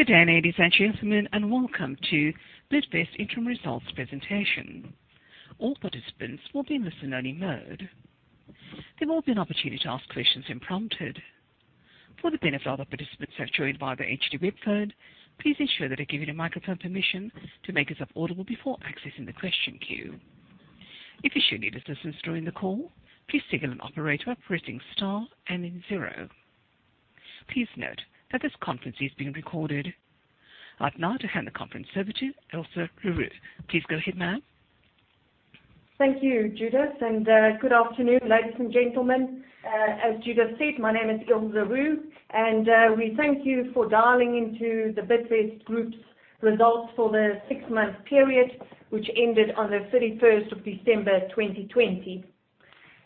Good day, ladies and gentlemen, and welcome to Bidvest Interim Results presentation. All participants will be in listen-only mode. There will be an opportunity to ask questions when prompted. For the benefit of other participants who have joined via the HD web phone, please ensure that you have given your microphone permission to make yourself audible before accessing the question queue. If you should need assistance during the call, please signal an operator by pressing star and then zero. Please note that this conference is being recorded. I'd now like to hand the conference over to Ilse Meiring. Please go ahead, ma'am. Thank you, Judith, and good afternoon, ladies and gentlemen. As Judith said, my name is Ilse Meiring, and we thank you for dialing into The Bidvest Group's results for the six-month period, which ended on the 31st of December 2020.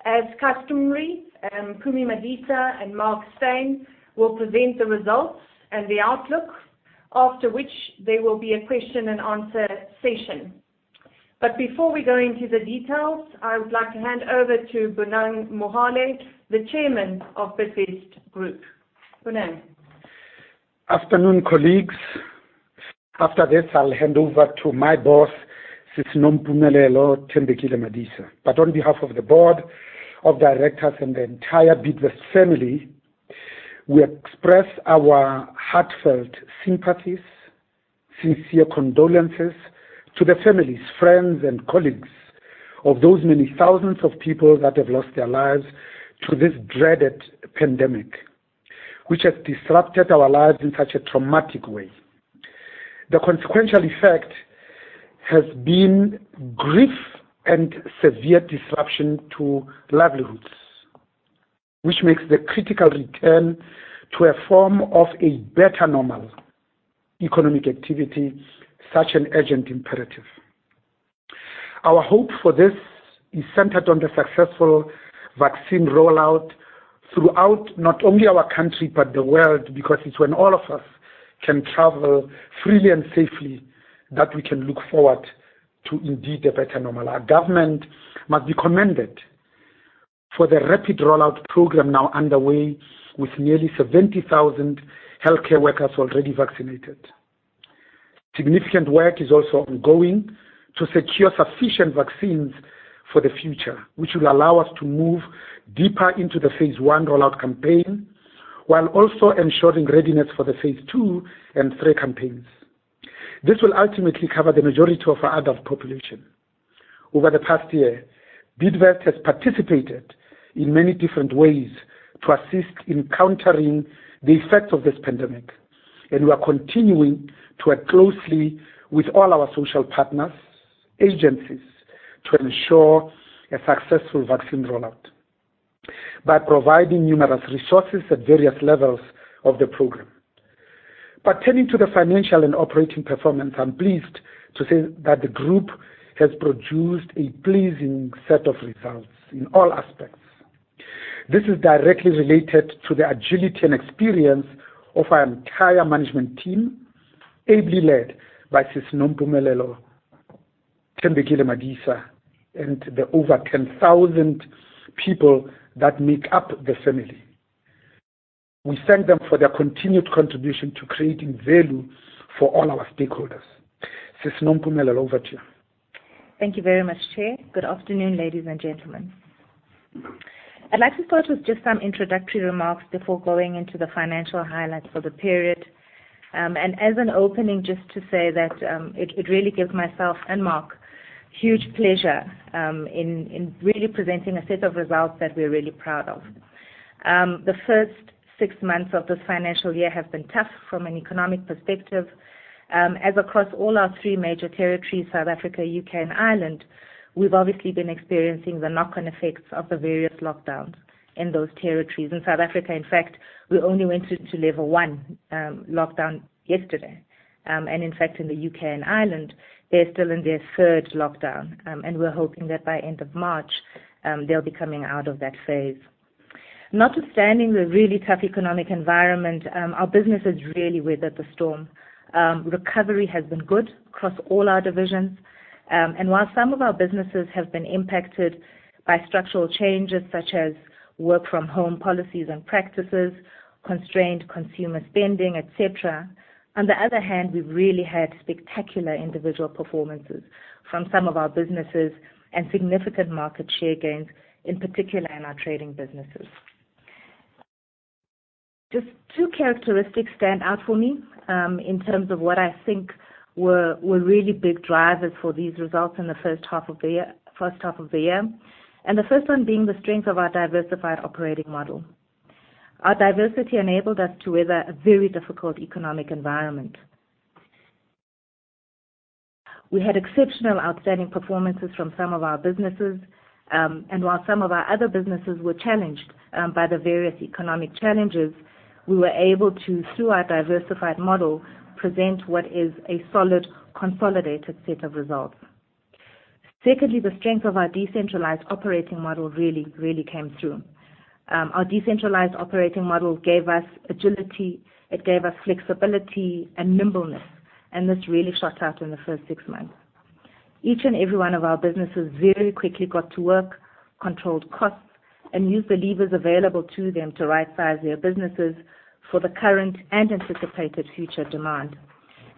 As customary, Mpumi Madisa and Mark Steyn will present the results and the outlook. After which, there will be a question and answer session. Before we go into the details, I would like to hand over to Bonang Mohale, the Chairman of The Bidvest Group. Bonang. Afternoon, colleagues. After this, I'll hand over to my boss, Sis Nompumelelo Tembekile Madisa. On behalf of the board of directors and the entire Bidvest family, we express our heartfelt sympathies, sincere condolences to the families, friends, and colleagues of those many thousands of people that have lost their lives to this dreaded pandemic, which has disrupted our lives in such a traumatic way. The consequential effect has been grief and severe disruption to livelihoods, which makes the critical return to a form of a better normal economic activity such an urgent imperative. Our hope for this is centered on the successful vaccine rollout throughout not only our country but the world, because it's when all of us can travel freely and safely that we can look forward to indeed a better normal. Our government must be commended for the rapid rollout program now underway, with nearly 70,000 healthcare workers already vaccinated. Significant work is also ongoing to secure sufficient vaccines for the future, which will allow us to move deeper into the phase I rollout campaign, while also ensuring readiness for the phase II and III campaigns. This will ultimately cover the majority of our adult population. Over the past year, Bidvest has participated in many different ways to assist in countering the effects of this pandemic. We are continuing to work closely with all our social partners, agencies to ensure a successful vaccine rollout by providing numerous resources at various levels of the program. Tending to the financial and operating performance, I'm pleased to say that the group has produced a pleasing set of results in all aspects. This is directly related to the agility and experience of our entire management team, ably led by Sis Nompumelelo Tembekile Madisa, and the over 10,000 people that make up the family. We thank them for their continued contribution to creating value for all our stakeholders. Sis Nompumelelo, over to you. Thank you very much, Chair. Good afternoon, ladies and gentlemen. I'd like to start with just some introductory remarks before going into the financial highlights for the period. As an opening, just to say that it really gives myself and Mark huge pleasure, in really presenting a set of results that we're really proud of. The first six months of this financial year have been tough from an economic perspective. Across all our three major territories, South Africa, U.K., and Ireland, we've obviously been experiencing the knock-on effects of the various lockdowns in those territories. In South Africa, in fact, we only went to level one lockdown yesterday. In fact, in the U.K. and Ireland, they're still in their third lockdown. We're hoping that by end of March, they'll be coming out of that phase. Notwithstanding the really tough economic environment, our business has really weathered the storm. Recovery has been good across all our divisions. While some of our businesses have been impacted by structural changes such as work-from-home policies and practices, constrained consumer spending, et cetera. On the other hand, we've really had spectacular individual performances from some of our businesses and significant market share gains, in particular in our trading businesses. Just two characteristics stand out for me, in terms of what I think were really big drivers for these results in the first half of the year. The first one being the strength of our diversified operating model. Our diversity enabled us to weather a very difficult economic environment. We had exceptional, outstanding performances from some of our businesses. While some of our other businesses were challenged by the various economic challenges, we were able to, through our diversified model, present what is a solid, consolidated set of results. Secondly, the strength of our decentralized operating model really came through. Our decentralized operating model gave us agility, it gave us flexibility and nimbleness, and this really shot out in the first six months. Each and every one of our businesses very quickly got to work, controlled costs, and used the levers available to them to right-size their businesses for the current and anticipated future demand.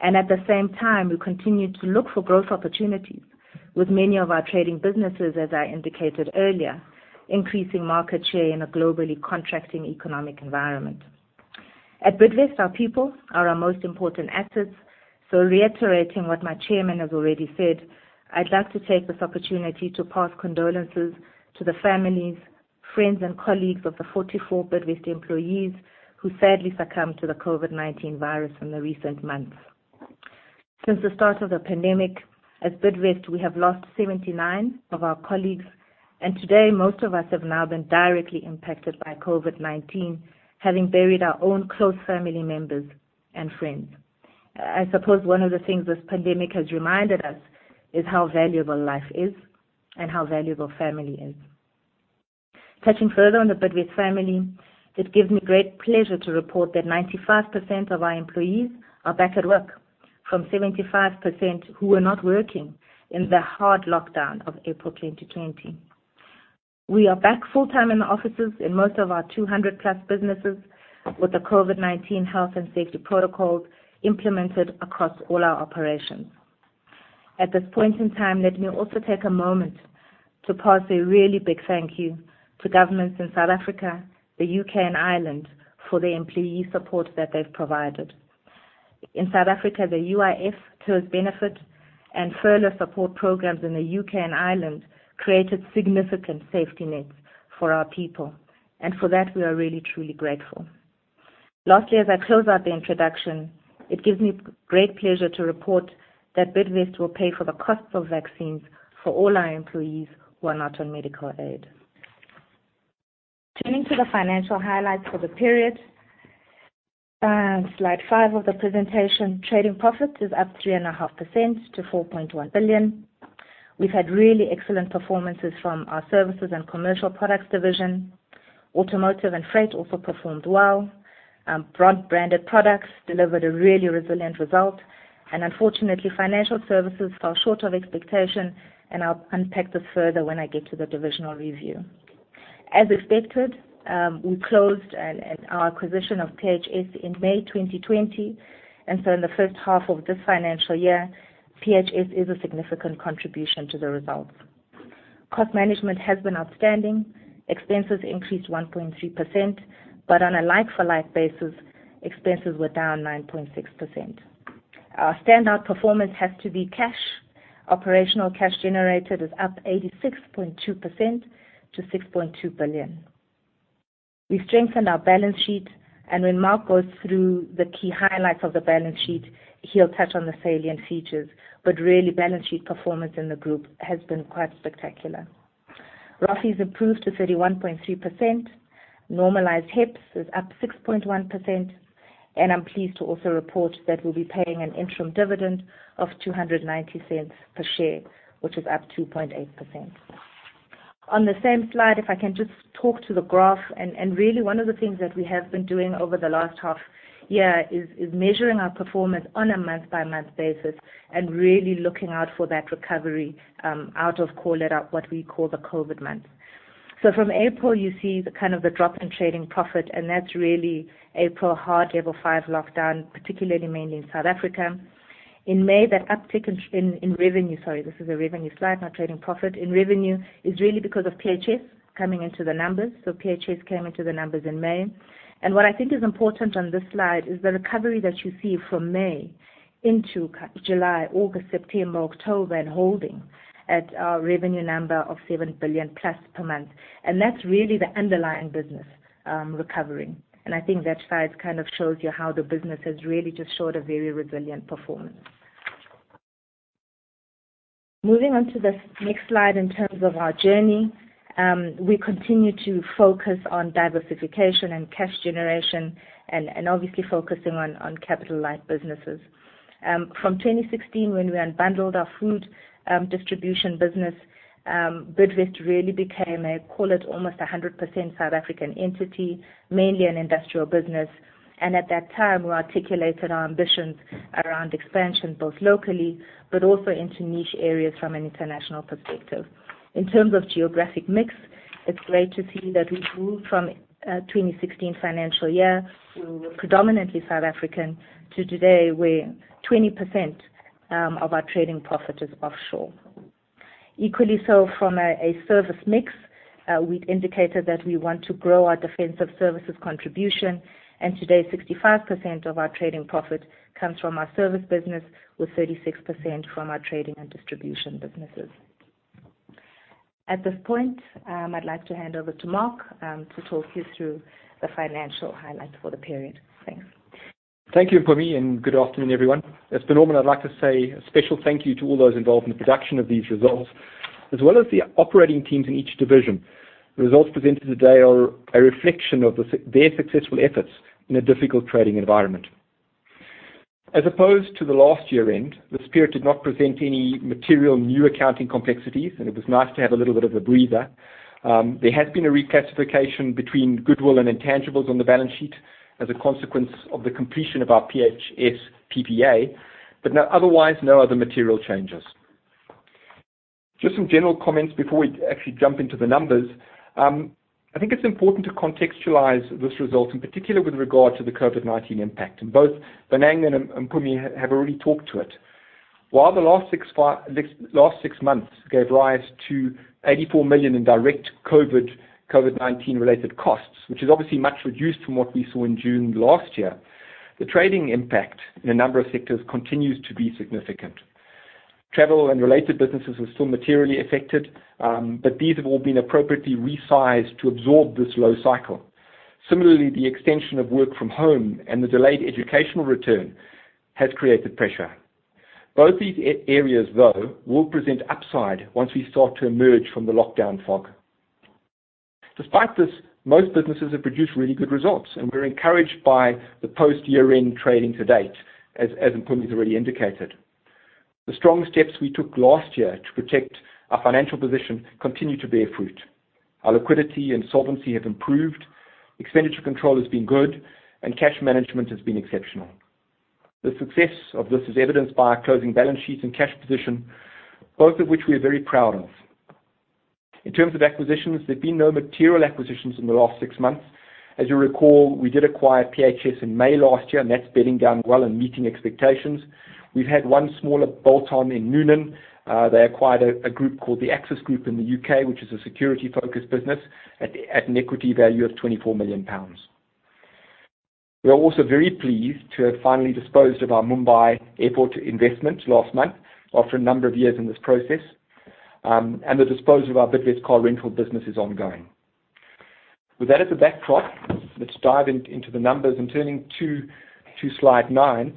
At the same time, we continued to look for growth opportunities with many of our trading businesses, as I indicated earlier, increasing market share in a globally contracting economic environment. At Bidvest, our people are our most important assets. Reiterating what my Chairman has already said, I'd like to take this opportunity to pass condolences to the families, friends, and colleagues of the 44 Bidvest employees who sadly succumbed to the COVID-19 virus in the recent months. Since the start of the pandemic, as Bidvest, we have lost 79 of our colleagues, and today, most of us have now been directly impacted by COVID-19, having buried our own close family members and friends. I suppose one of the things this pandemic has reminded us is how valuable life is and how valuable family is. Touching further on the Bidvest family, it gives me great pleasure to report that 95% of our employees are back at work from 75% who were not working in the hard lockdown of April 2020. We are back full-time in the offices in most of our 200 plus businesses with the COVID-19 health and safety protocols implemented across all our operations. At this point in time, let me also take a moment to pass a really big thank you to governments in South Africa, the U.K., and Ireland for the employee support that they've provided. In South Africa, the UIF, TERS benefit, and furlough support programs in the U.K. and Ireland created significant safety nets for our people. For that we are really, truly grateful. Lastly, as I close out the introduction, it gives me great pleasure to report that Bidvest will pay for the cost of vaccines for all our employees who are not on medical aid. Turning to the financial highlights for the period, slide five of the presentation. Trading profit is up 3.5% to 4.1 billion. We've had really excellent performances from our services and commercial products division. Automotive and freight also performed well. Broad branded products delivered a really resilient result. Unfortunately, financial services fell short of expectation and I'll unpack this further when I get to the divisional review. As expected, we closed our acquisition of PHS in May 2020. So in the first half of this financial year, PHS is a significant contribution to the results. Cost management has been outstanding. Expenses increased 1.3%. On a like for like basis, expenses were down 9.6%. Our standout performance has to be cash. Operational cash generated is up 86.2% to 6.2 billion. We've strengthened our balance sheet. When Mark goes through the key highlights of the balance sheet, he'll touch on the salient features. Really, balance sheet performance in the group has been quite spectacular. ROFE improved to 31.3%, normalized HEPS is up 6.1%, I'm pleased to also report that we'll be paying an interim dividend of 2.90 per share, which is up 2.8%. On the same slide, if I can just talk to the graph, really one of the things that we have been doing over the last half year is measuring our performance on a month-by-month basis and really looking out for that recovery, out of call it what we call the COVID-19 months. From April, you see the drop in trading profit, and that's really April hard level five lockdown, particularly, mainly in South Africa. In May, that uptick in revenue, sorry, this is a revenue slide, not trading profit, in revenue is really because of PHS coming into the numbers. PHS came into the numbers in May. What I think is important on this slide is the recovery that you see from May into July, August, September, October, and holding at our revenue number of 7 billion plus per month. That's really the underlying business recovering. I think that slide shows you how the business has really just showed a very resilient performance. Moving on to the next slide in terms of our journey, we continue to focus on diversification and cash generation and obviously focusing on capital light businesses. From 2016 when we unbundled our food distribution business, Bidvest really became, call it almost 100% South African entity, mainly an industrial business. At that time, we articulated our ambitions around expansion, both locally but also into niche areas from an international perspective. In terms of geographic mix, it's great to see that we've moved from 2016 financial year, we were predominantly South African, to today, we're 20% of our trading profit is offshore. Equally so from a service mix, we'd indicated that we want to grow our defensive services contribution, and today, 65% of our trading profit comes from our service business with 36% from our trading and distribution businesses. At this point, I'd like to hand over to Mark, to talk you through the financial highlights for the period. Thanks. Thank you, Mpumi, and good afternoon, everyone. As per normal, I'd like to say a special thank you to all those involved in the production of these results, as well as the operating teams in each division. The results presented today are a reflection of their successful efforts in a difficult trading environment. As opposed to the last year-end, this period did not present any material new accounting complexities, and it was nice to have a little bit of a breather. There has been a reclassification between goodwill and intangibles on the balance sheet as a consequence of the completion of our PHS PPA, otherwise, no other material changes. Some general comments before we actually jump into the numbers. I think it's important to contextualize this result, in particular with regard to the COVID-19 impact, both Bonang and Mpumi have already talked to it. While the last six months gave rise to 84 million in direct COVID-19-related costs, which is obviously much reduced from what we saw in June last year, the trading impact in a number of sectors continues to be significant. Travel and related businesses are still materially affected, but these have all been appropriately resized to absorb this low cycle. Similarly, the extension of work from home and the delayed educational return has created pressure. Both these areas, though, will present upside once we start to emerge from the lockdown fog. Despite this, most businesses have produced really good results, and we're encouraged by the post year-end trading to date, as Mpumi's already indicated. The strong steps we took last year to protect our financial position continue to bear fruit. Our liquidity and solvency have improved, expenditure control has been good, and cash management has been exceptional. The success of this is evidenced by our closing balance sheets and cash position, both of which we are very proud of. In terms of acquisitions, there've been no material acquisitions in the last six months. As you recall, we did acquire PHS in May last year, and that's bedding down well and meeting expectations. We've had one smaller bolt-on in Noonan. They acquired a group called The Access Group in the U.K., which is a security-focused business, at an equity value of 24 million pounds. We are also very pleased to have finally disposed of our Mumbai airport investment last month after a number of years in this process, and the disposal of our Bidvest Car Rental business is ongoing. With that as a backdrop, let's dive into the numbers, and turning to slide nine.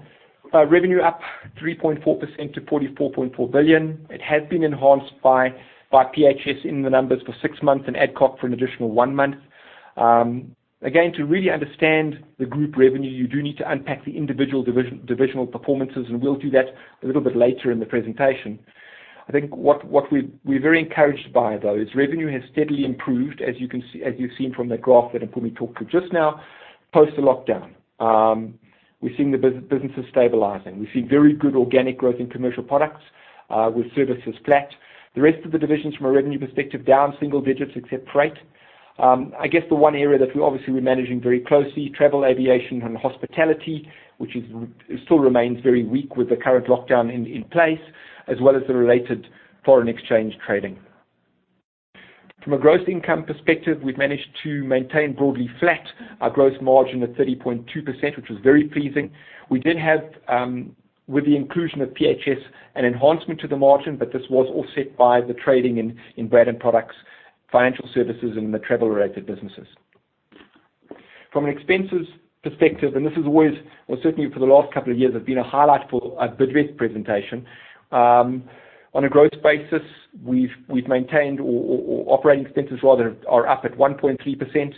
Revenue up 3.4% to 44.4 billion. It has been enhanced by PHS in the numbers for six months and Adcock for an additional one month. Again, to really understand the group revenue, you do need to unpack the individual divisional performances, and we'll do that a little bit later in the presentation. I think what we're very encouraged by, though, is revenue has steadily improved, as you've seen from the graph that Mpumi talked to just now, post the lockdown. We're seeing the businesses stabilizing. We see very good organic growth in commercial products, with services flat. The rest of the divisions from a revenue perspective, down single digits except Freight. I guess the one area that obviously we're managing very closely, travel, aviation, and hospitality, which still remains very weak with the current lockdown in place, as well as the related foreign exchange trading. From a gross income perspective, we've managed to maintain broadly flat our gross margin at 30.2%, which was very pleasing. We did have, with the inclusion of PHS, an enhancement to the margin, but this was offset by the trading in Branded Products, Financial Services, and the travel-related businesses. From an expenses perspective, this has always, or certainly for the last couple of years, have been a highlight for a Bidvest presentation. On a gross basis, we've maintained, or operating expenses rather, are up at 1.3%,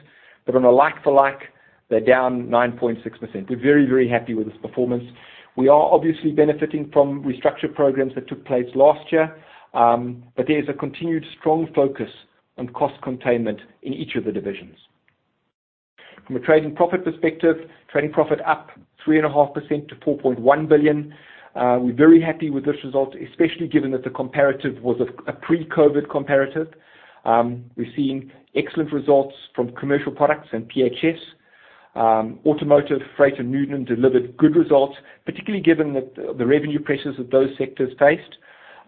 but on a like for like, they're down 9.6%. We're very happy with this performance. We are obviously benefiting from restructure programs that took place last year, but there is a continued strong focus on cost containment in each of the divisions. From a trading profit perspective, trading profit up 3.5% to 4.1 billion. We're very happy with this result, especially given that the comparative was a pre-COVID comparative. We're seeing excellent results from Commercial Products and PHS. Automotive, Freight, and Noonan delivered good results, particularly given the revenue pressures that those sectors faced.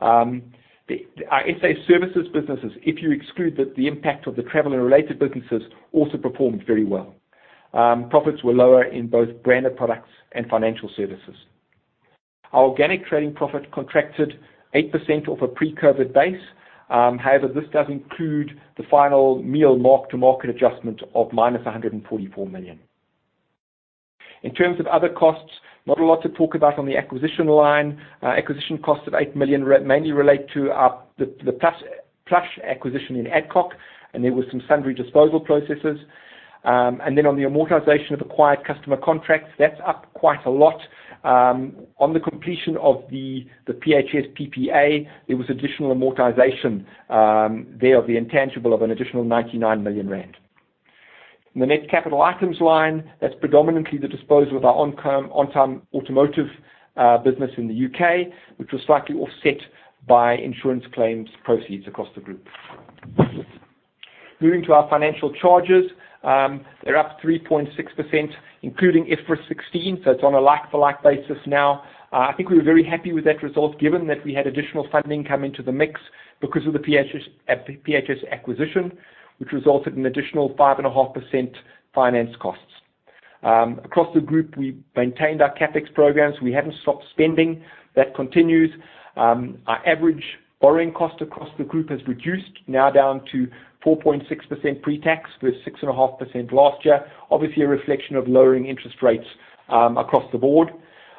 Our SA Services businesses, if you exclude the impact of the travel and related businesses, also performed very well. Profits were lower in both Branded Products and Financial Services. Our organic trading profit contracted 8% off a pre-COVID base. This does include the final MIAL mark-to-market adjustment of -144 million. In terms of other costs, not a lot to talk about on the acquisition line. Acquisition costs of 8 million mainly relate to the Plush acquisition in Adcock, and there were some sundry disposal processes. On the amortization of acquired customer contracts, that's up quite a lot. On the completion of the PHS PPA, there was additional amortization there of the intangible of an additional 99 million rand. In the net capital items line, that's predominantly the disposal of our Ontime Automotive business in the U.K., which was slightly offset by insurance claims proceeds across the group. Moving to our financial charges. They're up 3.6%, including IFRS 16, so it's on a like for like basis now. I think we were very happy with that result given that we had additional funding come into the mix because of the PHS acquisition, which resulted in additional 5.5% finance costs. Across the group, we maintained our CapEx programs. We haven't stopped spending. That continues. Our average borrowing cost across the group has reduced, now down to 4.6% pre-tax versus 6.5% last year. Obviously, a reflection of lowering interest rates across the board.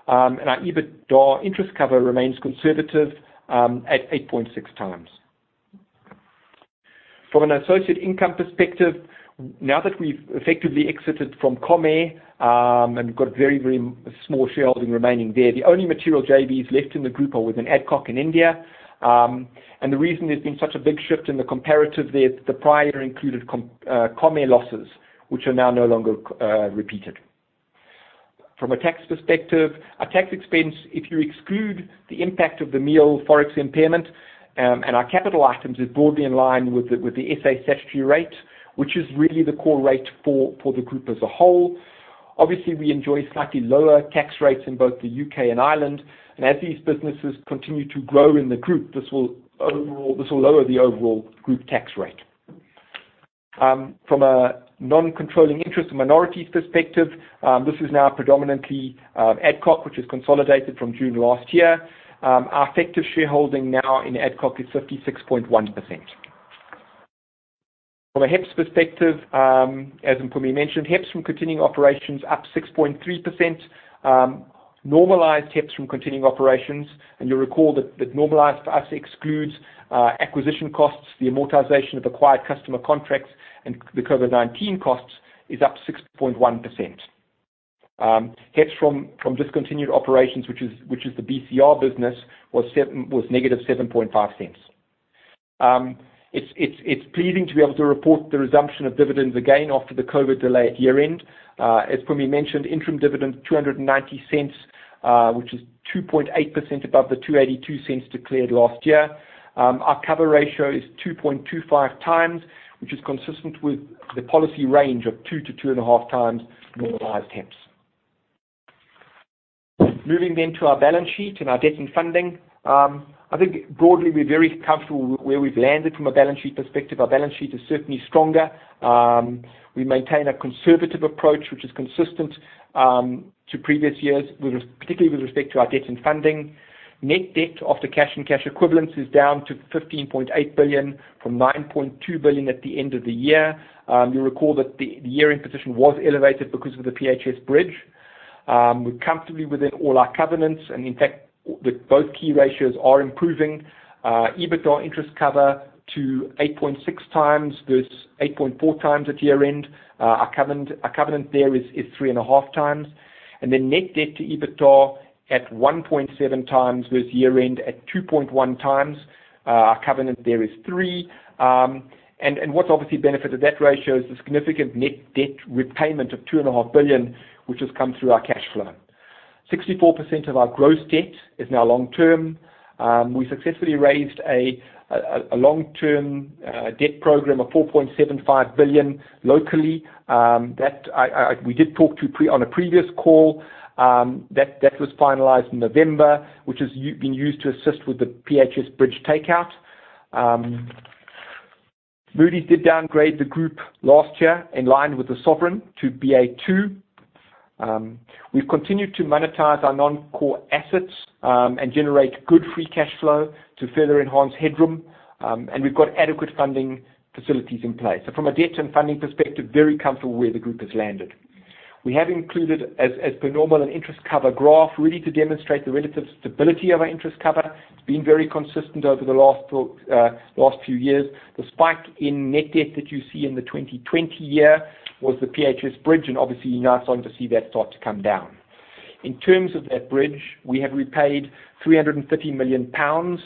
Our EBITDA interest cover remains conservative at 8.6 times. From an associated income perspective, now that we've effectively exited from Comair, and we've got a very small shareholding remaining there, the only material JVs left in the group are within Adcock in India. The reason there's been such a big shift in the comparative there is the prior included Comair losses, which are now no longer repeated. From a tax perspective, our tax expense, if you exclude the impact of the MIAL ForEx impairment and our capital items, is broadly in line with the S.A. statutory rate, which is really the core rate for the group as a whole. Obviously, we enjoy slightly lower tax rates in both the U.K. and Ireland. As these businesses continue to grow in the group, this will lower the overall group tax rate. From a non-controlling interest minority perspective, this is now predominantly Adcock, which is consolidated from June last year. Our effective shareholding now in Adcock is 56.1%. From a HEPS perspective, as Mpumi mentioned, HEPS from continuing operations up 6.3%. Normalized HEPS from continuing operations, and you'll recall that normalized for us excludes acquisition costs, the amortization of acquired customer contracts, and the COVID-19 costs, is up 6.1%. HEPS from discontinued operations, which is the BCR business, was -0.075. It's pleasing to be able to report the resumption of dividends again after the COVID delay at year-end. As Mpumi mentioned, interim dividend 2.90, which is 2.8% above the 2.82 declared last year. Our cover ratio is 2.25 times, which is consistent with the policy range of 2 to 2.5 times normalized HEPS. Moving to our balance sheet and our debt and funding. I think broadly, we're very comfortable where we've landed from a balance sheet perspective. Our balance sheet is certainly stronger. We maintain a conservative approach, which is consistent to previous years, particularly with respect to our debt and funding. Net debt after cash and cash equivalents is down to 15.8 billion from 9.2 billion at the end of the year. You'll recall that the year-end position was elevated because of the PHS bridge. We're comfortably within all our covenants. In fact, both key ratios are improving. EBITDA interest cover to 8.6 times versus 8.4 times at year-end. Our covenant there is three and a half times. Net debt to EBITDA at 1.7 times versus year-end at 2.1 times. Our covenant there is three. What's obviously benefited that ratio is the significant net debt repayment of 2.5 billion, which has come through our cash flow. 64% of our gross debt is now long-term. We successfully raised a long-term debt program of 4.75 billion locally. We did talk on a previous call. That was finalized in November, which has been used to assist with the PHS bridge takeout. Moody's did downgrade the group last year in line with the sovereign to Ba2. We've continued to monetize our non-core assets and generate good free cash flow to further enhance headroom, and we've got adequate funding facilities in place. From a debt and funding perspective, very comfortable where the group has landed. We have included, as per normal, an interest cover graph, really to demonstrate the relative stability of our interest cover. It's been very consistent over the last few years. The spike in net debt that you see in the 2020 year was the PHS bridge. Obviously, now starting to see that start to come down. In terms of that bridge, we have repaid 330 million pounds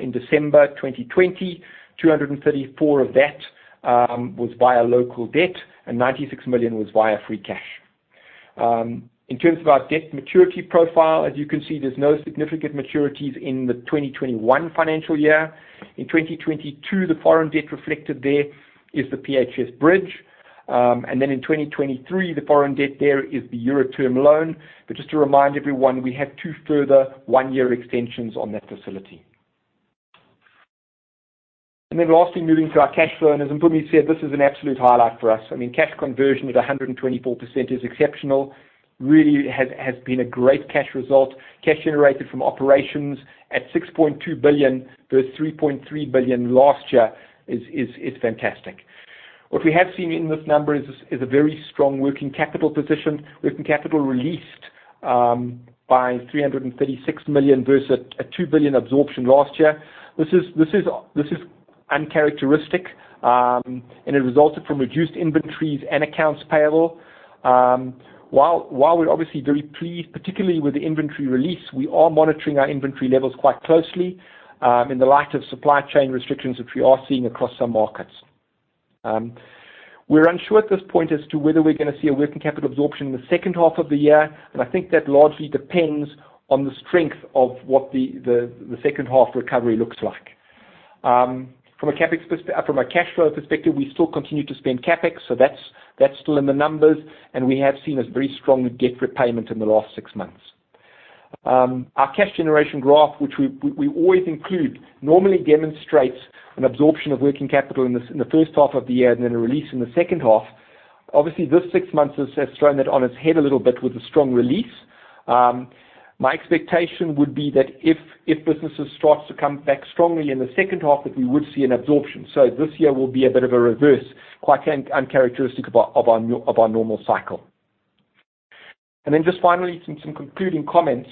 in December 2020. 234 of that was via local debt, 96 million was via free cash. In terms of our debt maturity profile, as you can see, there's no significant maturities in the 2021 financial year. In 2022, the foreign debt reflected there is the PHS bridge. In 2023, the foreign debt there is the euro term loan. Just to remind everyone, we have two further one-year extensions on that facility. Lastly, moving to our cash flow. As Mpumi said, this is an absolute highlight for us. Cash conversion at 124% is exceptional, really has been a great cash result. Cash generated from operations at 6.2 billion versus 3.3 billion last year is fantastic. What we have seen in this number is a very strong working capital position. Working capital released by 336 million versus a 2 billion absorption last year. This is uncharacteristic, and it resulted from reduced inventories and accounts payable. While we're obviously very pleased, particularly with the inventory release, we are monitoring our inventory levels quite closely in the light of supply chain restrictions, which we are seeing across some markets. We're unsure at this point as to whether we're going to see a working capital absorption in the second half of the year, but I think that largely depends on the strength of what the second half recovery looks like. From a cash flow perspective, we still continue to spend CapEx, so that's still in the numbers, and we have seen a very strong debt repayment in the last six months. Our cash generation graph, which we always include, normally demonstrates an absorption of working capital in the first half of the year and then a release in the second half. Obviously, this six months has thrown that on its head a little bit with a strong release. My expectation would be that if businesses start to come back strongly in the second half, that we would see an absorption. This year will be a bit of a reverse, quite uncharacteristic of our normal cycle. Just finally, some concluding comments.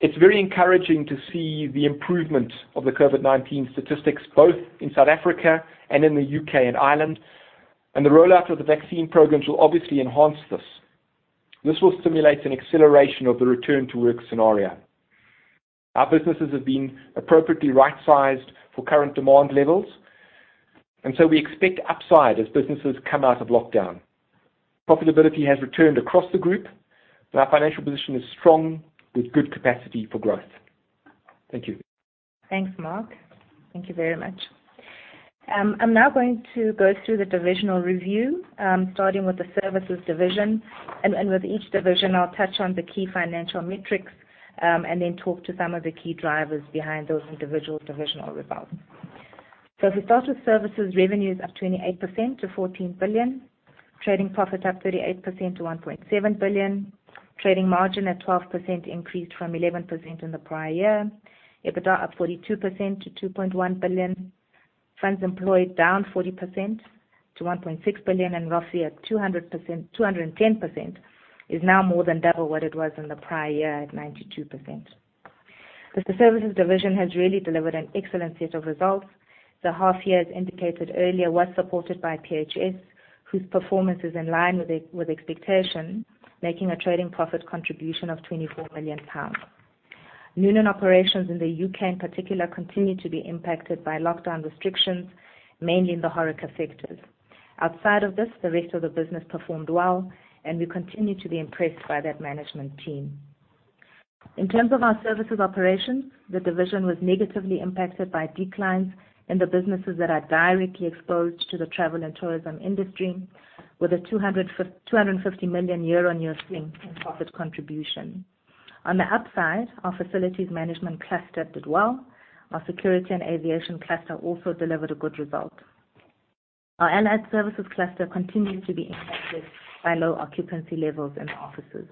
It's very encouraging to see the improvement of the COVID-19 statistics, both in South Africa and in the U.K. and Ireland. The rollout of the vaccine programs will obviously enhance this. This will stimulate an acceleration of the return-to-work scenario. Our businesses have been appropriately right-sized for current demand levels, and so we expect upside as businesses come out of lockdown. Profitability has returned across the group, and our financial position is strong with good capacity for growth. Thank you. Thanks, Mark. Thank you very much. I'm now going to go through the divisional review, starting with the services division, with each division, I'll touch on the key financial metrics, then talk to some of the key drivers behind those individual divisional results. If we start with services, revenue is up 28% to 14 billion. Trading profit up 38% to 1.7 billion. Trading margin at 12% increased from 11% in the prior year. EBITDA up 42% to 2.1 billion. Funds employed down 40% to 1.6 billion, ROFIE at 210% is now more than double what it was in the prior year at 92%. The services division has really delivered an excellent set of results. The half year, as indicated earlier, was supported by PHS Group, whose performance is in line with expectation, making a trading profit contribution of 24 million pounds. Noonan operations in the U.K. in particular, continue to be impacted by lockdown restrictions, mainly in the HORECA sectors. Outside of this, the rest of the business performed well, and we continue to be impressed by that management team. In terms of our services operations, the division was negatively impacted by declines in the businesses that are directly exposed to the travel and tourism industry, with a €250 million year-on-year swing in profit contribution. On the upside, our facilities management cluster did well. Our security and aviation cluster also delivered a good result. Our allied services cluster continues to be impacted by low occupancy levels in the offices.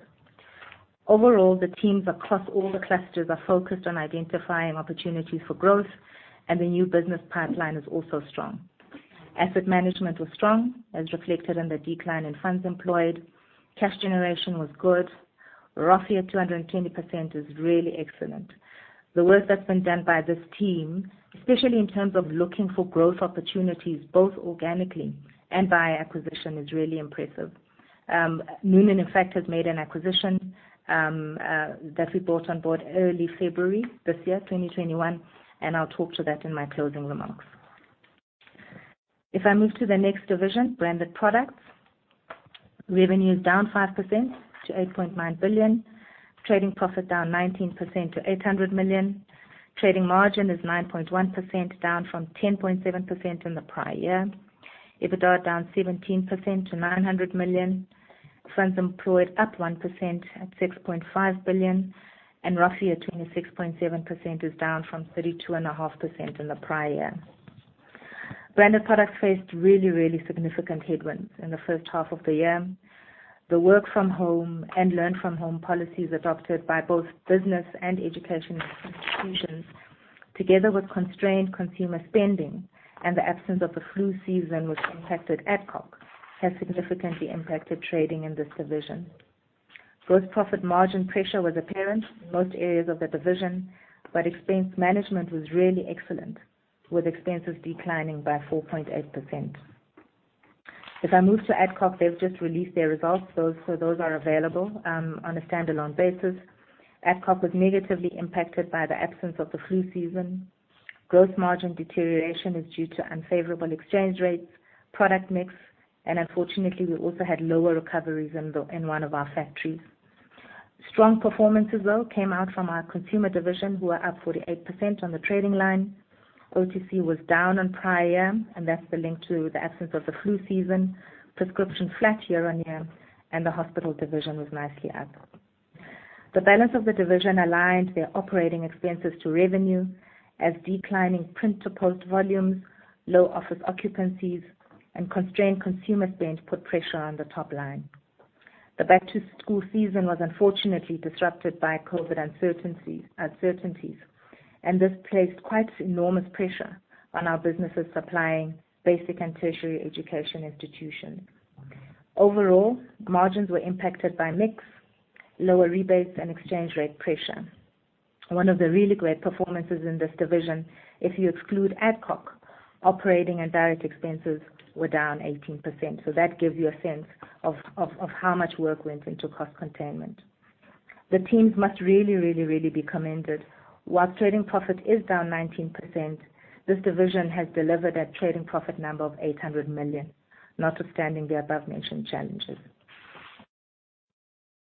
Overall, the teams across all the clusters are focused on identifying opportunities for growth, and the new business pipeline is also strong. Asset management was strong, as reflected in the decline in funds employed. Cash generation was good. ROFIE at 220% is really excellent. The work that's been done by this team, especially in terms of looking for growth opportunities both organically and by acquisition, is really impressive. Noonan, in fact, has made an acquisition that we brought on board early February this year, 2021, and I'll talk to that in my closing remarks. If I move to the next division, Branded Products. Revenue is down 5% to 8.9 billion. Trading profit down 19% to 800 million. Trading margin is 9.1% down from 10.7% in the prior year. EBITDA down 17% to 900 million. Funds employed up 1% at 6.5 billion, and ROFIE at 26.7% is down from 32.5% in the prior year. Branded Products faced really, really significant headwinds in the first half of the year. The work from home and learn from home policies adopted by both business and educational institutions, together with constrained consumer spending and the absence of the flu season, which impacted Adcock, has significantly impacted trading in this division. Gross profit margin pressure was apparent in most areas of the division, expense management was really excellent, with expenses declining by 4.8%. If I move to Adcock, they've just released their results. Those are available, on a standalone basis. Adcock was negatively impacted by the absence of the flu season. Gross margin deterioration is due to unfavorable exchange rates, product mix, and unfortunately, we also had lower recoveries in one of our factories. Strong performance as well came out from our consumer division, who are up 48% on the trading line. OTC was down on prior year, that's the link to the absence of the flu season. Prescription flat year on year. The hospital division was nicely up. The balance of the division aligned their operating expenses to revenue as declining print to post volumes, low office occupancies, and constrained consumer spend put pressure on the top line. The back-to-school season was unfortunately disrupted by COVID-19 uncertainties, and this placed quite enormous pressure on our businesses supplying basic and tertiary education institutions. Overall, margins were impacted by mix, lower rebates and exchange rate pressure. One of the really great performances in this division, if you exclude Adcock, operating and direct expenses were down 18%. That gives you a sense of how much work went into cost containment. The teams must really be commended. While trading profit is down 19%, this division has delivered a trading profit number of 800 million, notwithstanding the above-mentioned challenges.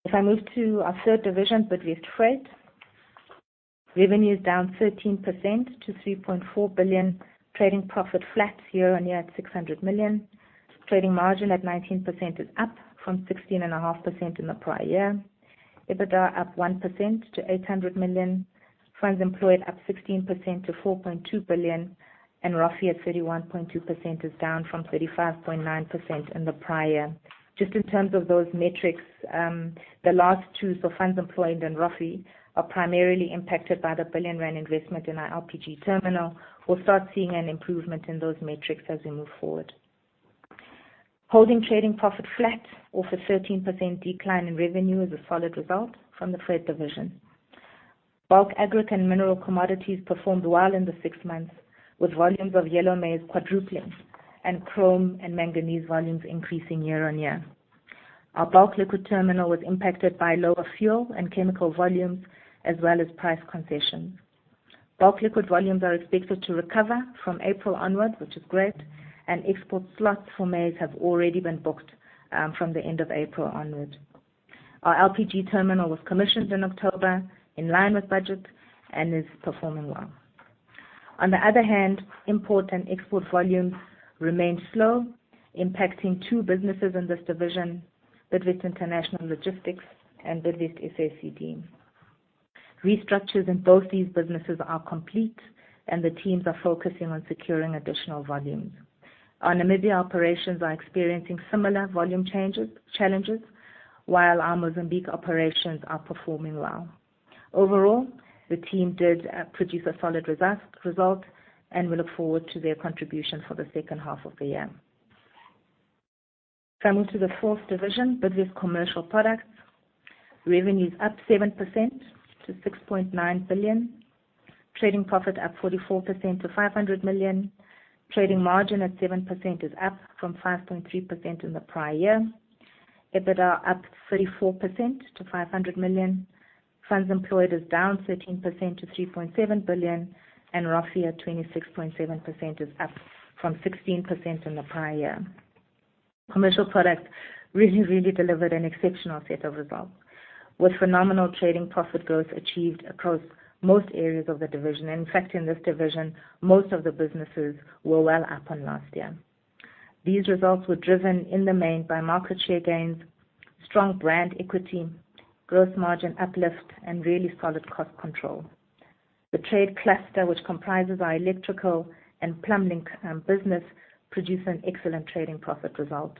If I move to our third division, Bidvest Freight. Revenue is down 13% to 3.4 billion. Trading profit flat year on year at 600 million. Trading margin at 19% is up from 16.5% in the prior year. EBITDA up 1% to 800 million. Funds employed up 16% to 4.2 billion, and ROFIE at 31.2% is down from 35.9% in the prior year. Just in terms of those metrics, the last two, so funds employed and ROFIE, are primarily impacted by the 1 billion rand investment in our LPG terminal. We'll start seeing an improvement in those metrics as we move forward. Holding trading profit flat off a 13% decline in revenue is a solid result from the freight division. Bulk agric and mineral commodities performed well in the 6 months, with volumes of yellow maize quadrupling and chrome and manganese volumes increasing year-on-year. Our bulk liquid terminal was impacted by lower fuel and chemical volumes, as well as price concessions. Bulk liquid volumes are expected to recover from April onwards, which is great, and export slots for maize have already been booked from the end of April onwards. Our LPG terminal was commissioned in October, in line with budget, and is performing well. On the other hand, import and export volumes remain slow, impacting two businesses in this division, Bidvest International Logistics and Bidvest SACD. Restructures in both these businesses are complete, and the teams are focusing on securing additional volumes. Our Namibia operations are experiencing similar volume challenges, while our Mozambique operations are performing well. Overall, the team did produce a solid result, and we look forward to their contribution for the second half of the year. If I move to the fourth division, Bidvest Commercial Products, revenue is up 7% to 6.9 billion. Trading profit up 44% to 500 million. Trading margin at 7% is up from 5.3% in the prior year. EBITDA up 34% to 500 million. Funds employed is down 13% to 3.7 billion, and ROFIE at 26.7% is up from 16% in the prior year. Commercial Products really, really delivered an exceptional set of results, with phenomenal trading profit growth achieved across most areas of the division. In fact, in this division, most of the businesses were well up on last year. These results were driven in the main by market share gains, strong brand equity, growth margin uplift, and really solid cost control. The trade cluster, which comprises our electrical and plumbing business, produced an excellent trading profit result.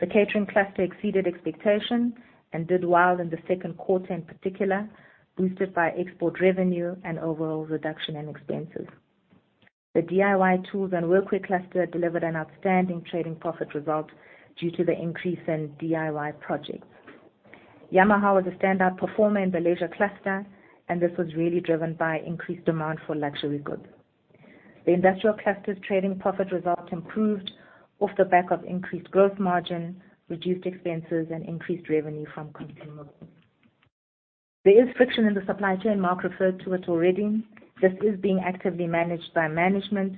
The catering cluster exceeded expectations and did well in the second quarter, in particular, boosted by export revenue and overall reduction in expenses. The DIY tools and Workquick cluster delivered an outstanding trading profit result due to the increase in DIY projects. Yamaha was a standout performer in the leisure cluster, and this was really driven by increased demand for luxury goods. The industrial cluster's trading profit result improved off the back of increased growth margin, reduced expenses, and increased revenue from consumables. There is friction in the supply chain. Mark referred to it already. This is being actively managed by management,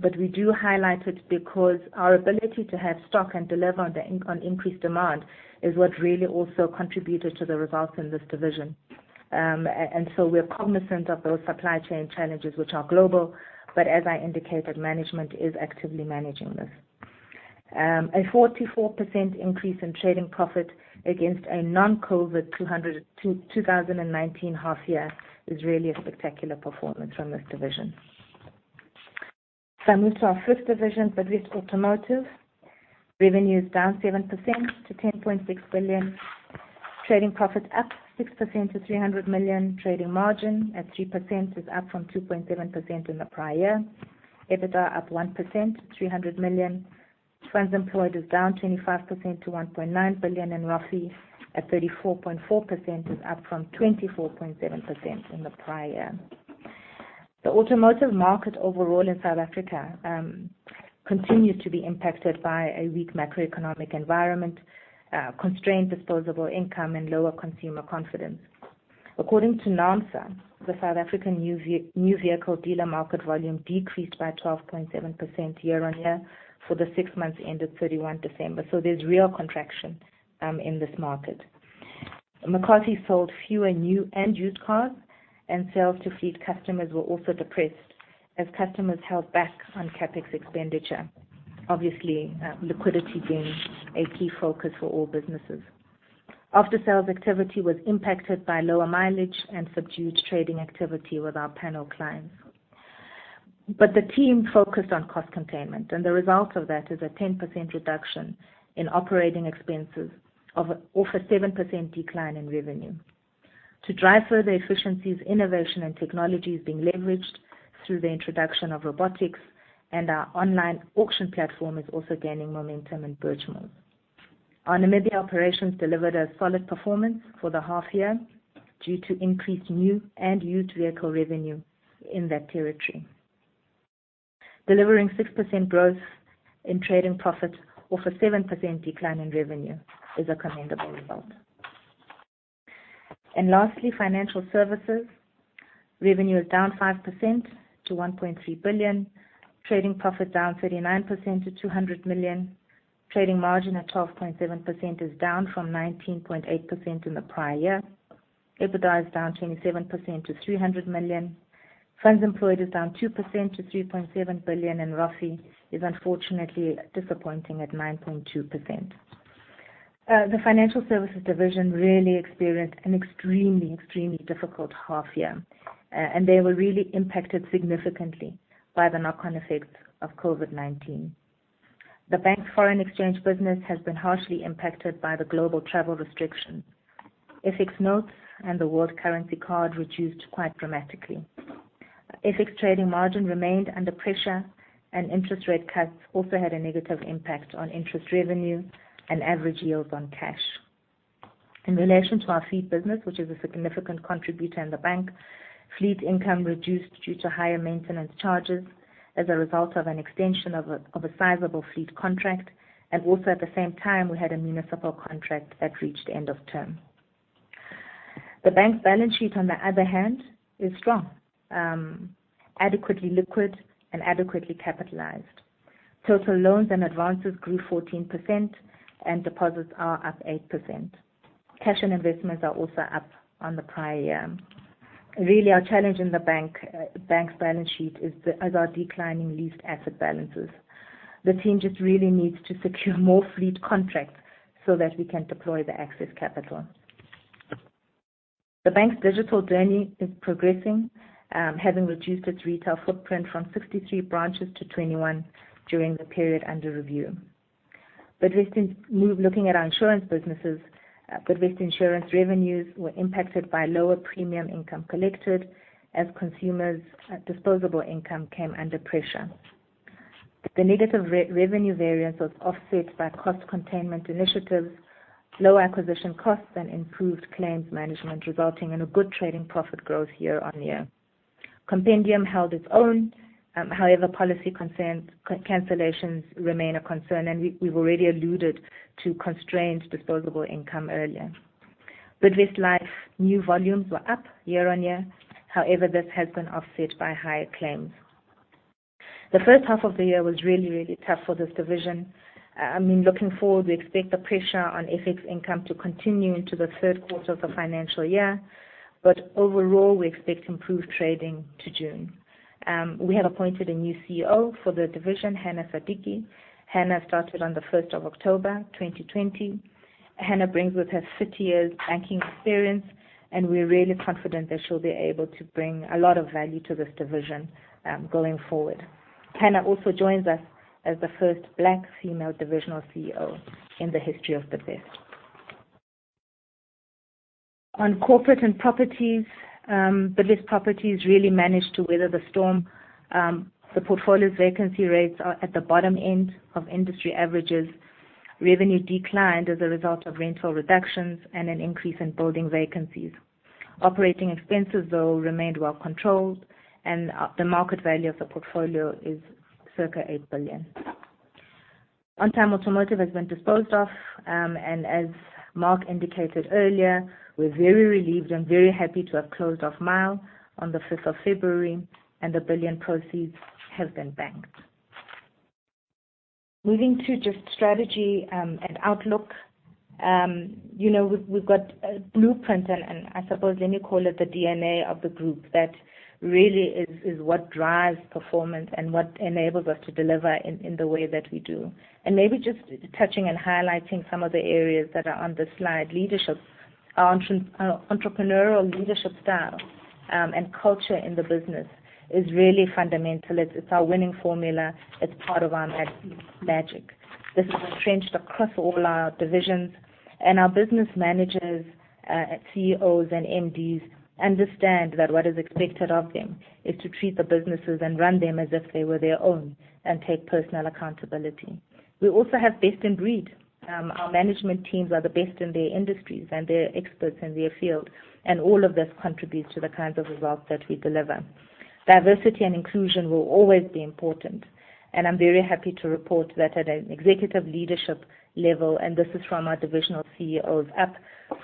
but we do highlight it because our ability to have stock and deliver on increased demand is what really also contributed to the results in this division. We're cognizant of those supply chain challenges, which are global, but as I indicated, management is actively managing this. A 44% increase in trading profit against a non-COVID 2019 half year is really a spectacular performance from this division. If I move to our fifth division, Bidvest Automotive, revenue is down 7% to 10.6 billion. Trading profit up 6% to 300 million. Trading margin at 3% is up from 2.7% in the prior year. EBITDA up 1%, 300 million. Funds employed is down 25% to 1.9 billion, and ROFIE at 34.4% is up from 24.7% in the prior year. The automotive market overall in South Africa continues to be impacted by a weak macroeconomic environment, constrained disposable income, and lower consumer confidence. According to naamsa, the South African new vehicle dealer market volume decreased by 12.7% year-on-year for the six months ended 31 December. There's real contraction in this market. McCarthy sold fewer new and used cars, and sales to fleet customers were also depressed as customers held back on CapEx expenditure. Obviously, liquidity being a key focus for all businesses. Aftersales activity was impacted by lower mileage and subdued trading activity with our panel clients. The team focused on cost containment, and the result of that is a 10% reduction in operating expenses off a 7% decline in revenue. To drive further efficiencies, innovation and technology is being leveraged through the introduction of robotics, and our online auction platform is also gaining momentum in virtual. Our Namibia operations delivered a solid performance for the half year due to increased new and used vehicle revenue in that territory. Delivering 6% growth in trading profit off a 7% decline in revenue is a commendable result. Lastly, Financial Services, revenue is down 5% to 1.3 billion. Trading profit down 39% to 200 million. Trading margin at 12.7% is down from 19.8% in the prior year. EBITDA is down 27% to 300 million. Funds employed is down 2% to 3.7 billion, ROFIE is unfortunately disappointing at 9.2%. The Financial Services division really experienced an extremely difficult half year. They were really impacted significantly by the knock-on effects of COVID-19. The bank's foreign exchange business has been harshly impacted by the global travel restrictions. FX notes and the World Currency Card reduced quite dramatically. FX trading margin remained under pressure and interest rate cuts also had a negative impact on interest revenue and average yields on cash. In relation to our fleet business, which is a significant contributor in the bank, fleet income reduced due to higher maintenance charges as a result of an extension of a sizable fleet contract, and also at the same time, we had a municipal contract that reached end of term. The bank's balance sheet, on the other hand, is strong, adequately liquid, and adequately capitalized. Total loans and advances grew 14%, and deposits are up 8%. Cash and investments are also up on the prior year. Really, our challenge in the bank's balance sheet is our declining leased asset balances. The team just really needs to secure more fleet contracts so that we can deploy the excess capital. The bank's digital journey is progressing, having reduced its retail footprint from 63 branches to 21 during the period under review. Looking at our insurance businesses, Bidvest Insurance revenues were impacted by lower premium income collected as consumers' disposable income came under pressure. The negative revenue variance was offset by cost containment initiatives, low acquisition costs, and improved claims management, resulting in a good trading profit growth year-on-year. Compendium held its own. However, policy cancellations remain a concern, and we've already alluded to constrained disposable income earlier. Bidvest Life, new volumes were up year-on-year. However, this has been offset by higher claims. The first half of the year was really tough for this division. Looking forward, we expect the pressure on FX income to continue into the third quarter of the financial year. Overall, we expect improved trading to June. We have appointed a new CEO for the division, Hannah Sadiki. Hannah started on the 1st of October 2020. Hannah brings with her 30 years banking experience, and we're really confident that she'll be able to bring a lot of value to this division going forward. Hannah also joins us as the first Black female divisional CEO in the history of Bidvest. On corporate and properties, Bidvest Properties really managed to weather the storm. The portfolio's vacancy rates are at the bottom end of industry averages. Revenue declined as a result of rental reductions and an increase in building vacancies. Operating expenses, though, remained well controlled, and the market value of the portfolio is circa 8 billion. Ontime Automotive has been disposed of, and as Mark indicated earlier, we're very relieved and very happy to have closed off MIAL on the 5th of February, and the 1 billion proceeds have been banked. Moving to just strategy and outlook. We've got a blueprint, and I suppose, let me call it the DNA of the group that really is what drives performance and what enables us to deliver in the way that we do. Maybe just touching and highlighting some of the areas that are on this slide. Leadership. Our entrepreneurial leadership style and culture in the business is really fundamental. It's our winning formula. It's part of our magic. This is entrenched across all our divisions. Our business managers, CEOs, and MDs understand that what is expected of them is to treat the businesses and run them as if they were their own and take personal accountability. We also have best in breed. Our management teams are the best in their industries, and they're experts in their field, and all of this contributes to the kinds of results that we deliver. Diversity and inclusion will always be important, and I'm very happy to report that at an executive leadership level, and this is from our divisional CEOs up,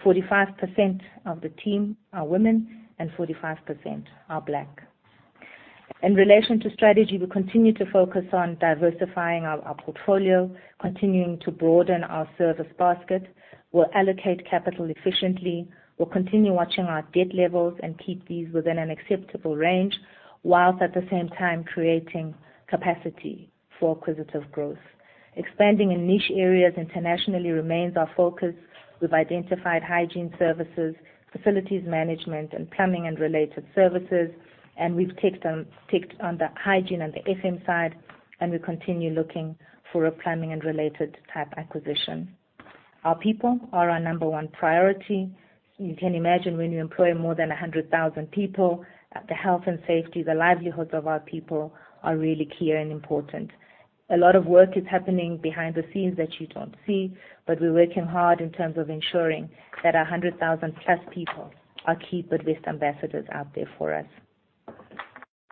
45% of the team are women and 45% are Black. In relation to strategy, we continue to focus on diversifying our portfolio, continuing to broaden our service basket. We'll allocate capital efficiently. We'll continue watching our debt levels and keep these within an acceptable range, while at the same time creating capacity for acquisitive growth. Expanding in niche areas internationally remains our focus. We've identified hygiene services, facilities management, and plumbing and related services, and we've ticked on the hygiene and the FM side, and we continue looking for a plumbing and related type acquisition. Our people are our number one priority. You can imagine when you employ more than 100,000 people, the health and safety, the livelihoods of our people are really key and important. A lot of work is happening behind the scenes that you don't see, but we're working hard in terms of ensuring that our 100,000 plus people are key Bidvest ambassadors out there for us.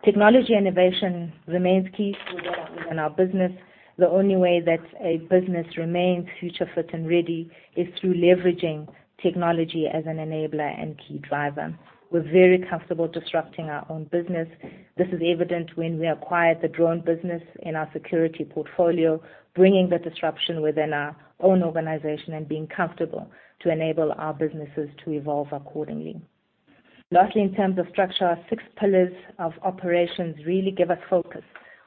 Technology innovation remains key within our business. The only way that a business remains future fit and ready is through leveraging technology as an enabler and key driver. We're very comfortable disrupting our own business. This is evident when we acquired the drone business in our security portfolio, bringing the disruption within our own organization and being comfortable to enable our businesses to evolve accordingly. Lastly, in terms of structure, our six pillars of operations really give us focus.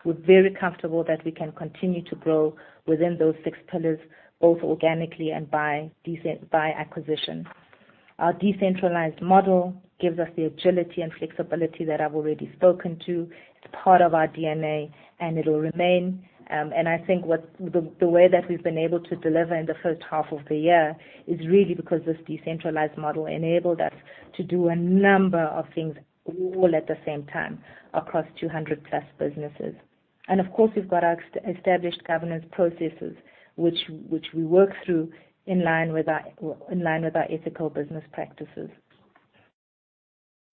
We're very comfortable that we can continue to grow within those six pillars, both organically and by acquisition. Our decentralized model gives us the agility and flexibility that I've already spoken to. It's part of our DNA, and it'll remain. I think the way that we've been able to deliver in the first half of the year is really because this decentralized model enabled us to do a number of things all at the same time across 200 plus businesses. Of course, we've got our established governance processes, which we work through in line with our ethical business practices.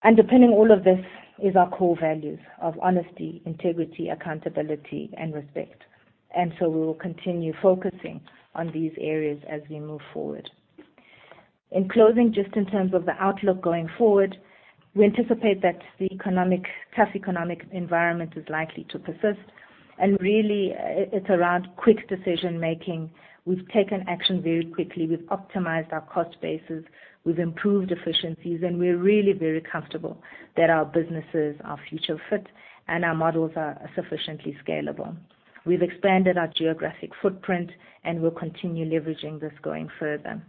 Underpinning all of this is our core values of honesty, integrity, accountability, and respect. We will continue focusing on these areas as we move forward. In closing, just in terms of the outlook going forward, we anticipate that the tough economic environment is likely to persist. It's around quick decision-making. We've taken action very quickly. We've optimized our cost bases, we've improved efficiencies, and we're really very comfortable that our businesses are future-fit and our models are sufficiently scalable. We've expanded our geographic footprint and we'll continue leveraging this going further.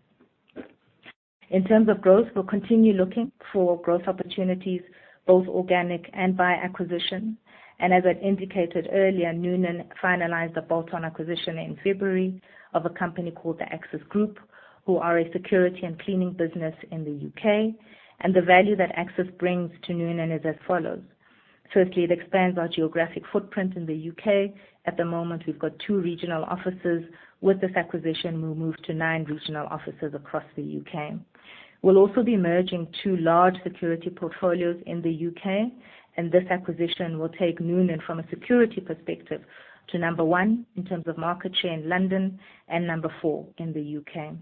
In terms of growth, we'll continue looking for growth opportunities, both organic and by acquisition. As I'd indicated earlier, Noonan finalized a bolt-on acquisition in February of a company called The Access Group, who are a security and cleaning business in the U.K. The value that Access brings to Noonan is as follows: firstly, it expands our geographic footprint in the U.K. At the moment, we've got two regional offices. With this acquisition, we'll move to nine regional offices across the U.K. We'll also be merging two large security portfolios in the U.K., and this acquisition will take Noonan, from a security perspective, to number 1 in terms of market share in London and number four in the U.K.